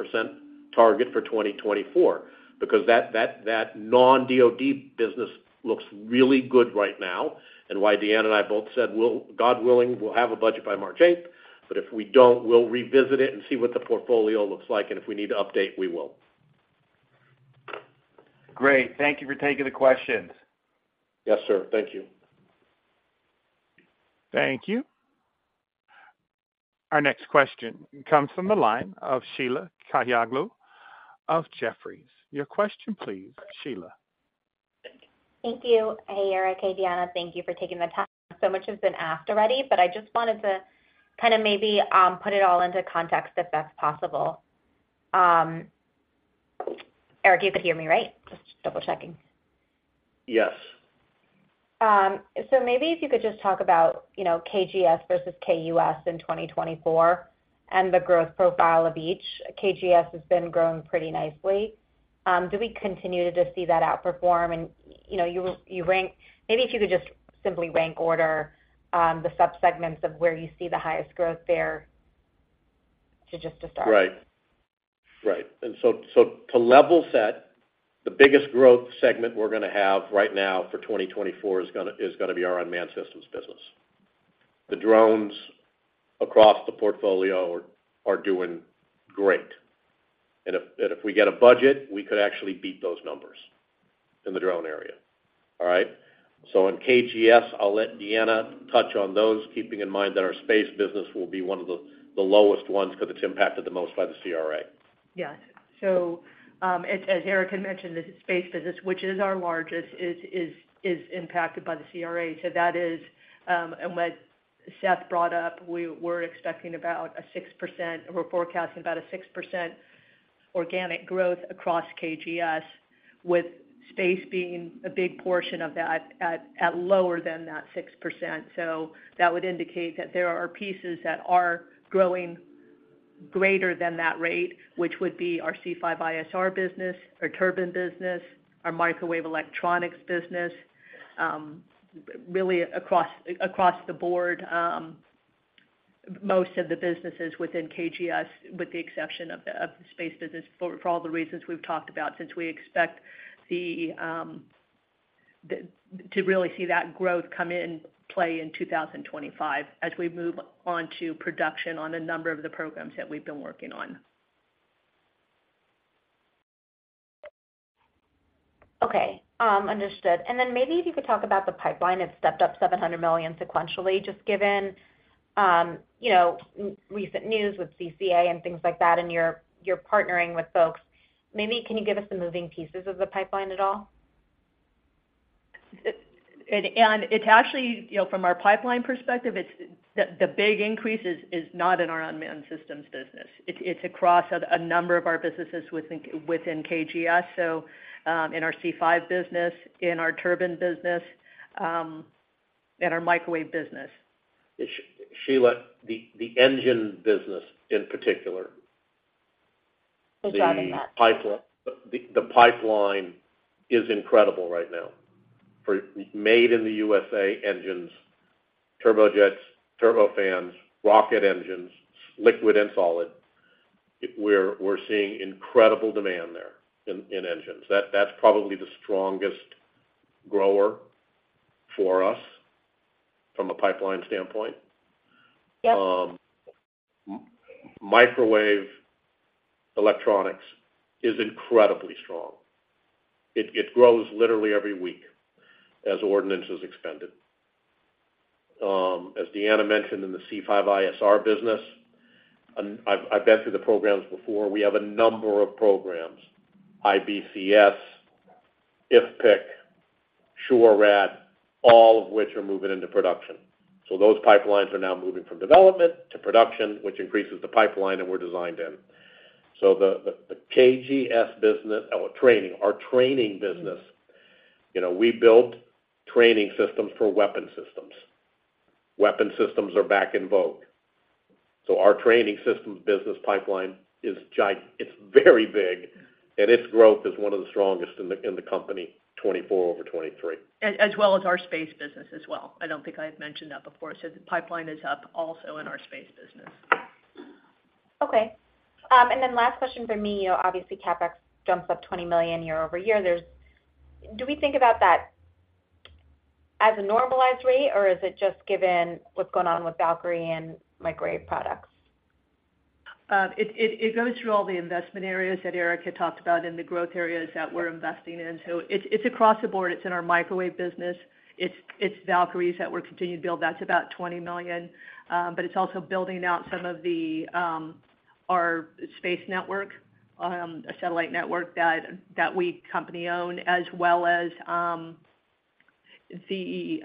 target for 2024 because that non-DoD business looks really good right now and why Deanna and I both said, "God willing, we'll have a budget by March 8th. But if we don't, we'll revisit it and see what the portfolio looks like. And if we need to update, we will." Great. Thank you for taking the questions. Yes, sir. Thank you. Thank you. Our next question comes from the line of Sheila Kahyaoglu of Jefferies. Your question, please, Sheila. Thank you, Eric, and Deanna. Thank you for taking the time. So much has been asked already, but I just wanted to kind of maybe put it all into context if that's possible. Eric, you could hear me, right? Just double-checking. Yes. So maybe if you could just talk about KGS versus KUS in 2024 and the growth profile of each. KGS has been growing pretty nicely. Do we continue to just see that outperform? And you rank maybe if you could just simply rank order the subsegments of where you see the highest growth there just to start. Right. Right. And so to level set, the biggest growth segment we're going to have right now for 2024 is going to be our Unmanned Systems business. The drones across the portfolio are doing great. And if we get a budget, we could actually beat those numbers in the drone area. All right? So on KGS, I'll let Deanna touch on those, keeping in mind that our space business will be one of the lowest ones because it's impacted the most by the CRA. Yes. So as Eric had mentioned, the space business, which is our largest, is impacted by the CRA. So that is, and what Seth brought up, we're expecting about a 6% we're forecasting about a 6% organic growth across KGS with space being a big portion of that at lower than that 6%. So that would indicate that there are pieces that are growing greater than that rate, which would be our C5ISR business or turbine business, our microwave electronics business. Really, across the board, most of the businesses within KGS, with the exception of the space business, for all the reasons we've talked about, since we expect to really see that growth come in play in 2025 as we move on to production on a number of the programs that we've been working on. Okay. Understood. And then maybe if you could talk about the pipeline. It's stepped up $700 million sequentially, just given recent news with CCA and things like that, and you're partnering with folks. Maybe can you give us the moving pieces of the pipeline at all? And it's actually from our pipeline perspective, the big increase is not in our Unmanned Systems business. It's across a number of our businesses within KGS, so in our C5 business, in our turbine business, and our microwave business. Sheila, the engine business in particular is driving that. The pipeline is incredible right now. Made in the USA engines, turbojets, turbofans, rocket engines, liquid and solid. We're seeing incredible demand there in engines. That's probably the strongest grower for us from a pipeline standpoint. Microwave electronics is incredibly strong. It grows literally every week as ordnance expended. As Deanna mentioned, in the C5ISR business, I've been through the programs before. We have a number of programs, IBCS, IFPC, SHORAD, all of which are moving into production. So those pipelines are now moving from development to production, which increases the pipeline that we're designed in. So the KGS business training, our training business, we built training systems for weapon systems. Weapon systems are back in vogue. So our training systems business pipeline, it's very big, and its growth is one of the strongest in the company 2024 over 2023. As well as our space business as well. I don't think I had mentioned that before. The pipeline is up also in our space business. Okay. Then last question for me. Obviously, CapEx jumps up $20 million year-over-year. Do we think about that as a normalized rate, or is it just given what's going on with Valkyrie and Microwave Products? It goes through all the investment areas that Eric had talked about and the growth areas that we're investing in. So it's across the board. It's in our microwave business. It's Valkyries that we're continuing to build. That's about $20 million. But it's also building out some of our space network, a satellite network that our company owns, as well as the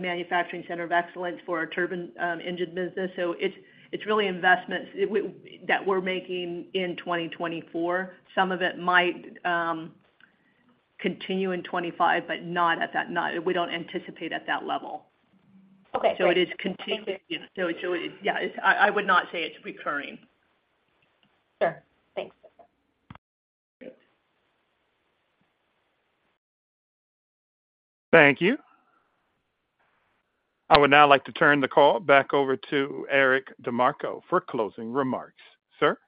manufacturing center of excellence for our turbine engine business. So it's really investments that we're making in 2024. Some of it might continue in 2025, but not at that, we don't anticipate at that level. So it is continuing. Yeah. So yeah, I would not say it's recurring. Sure. Thanks. Thank you. I would now like to turn the call back over to Eric DeMarco for closing remarks. Sir?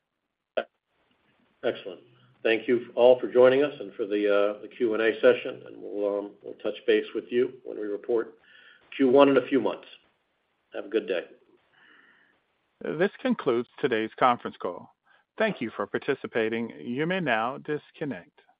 Excellent. Thank you all for joining us and for the Q&A session. And we'll touch base with you when we report Q1 in a few months. Have a good day. This concludes today's conference call. Thank you for participating. You may now disconnect.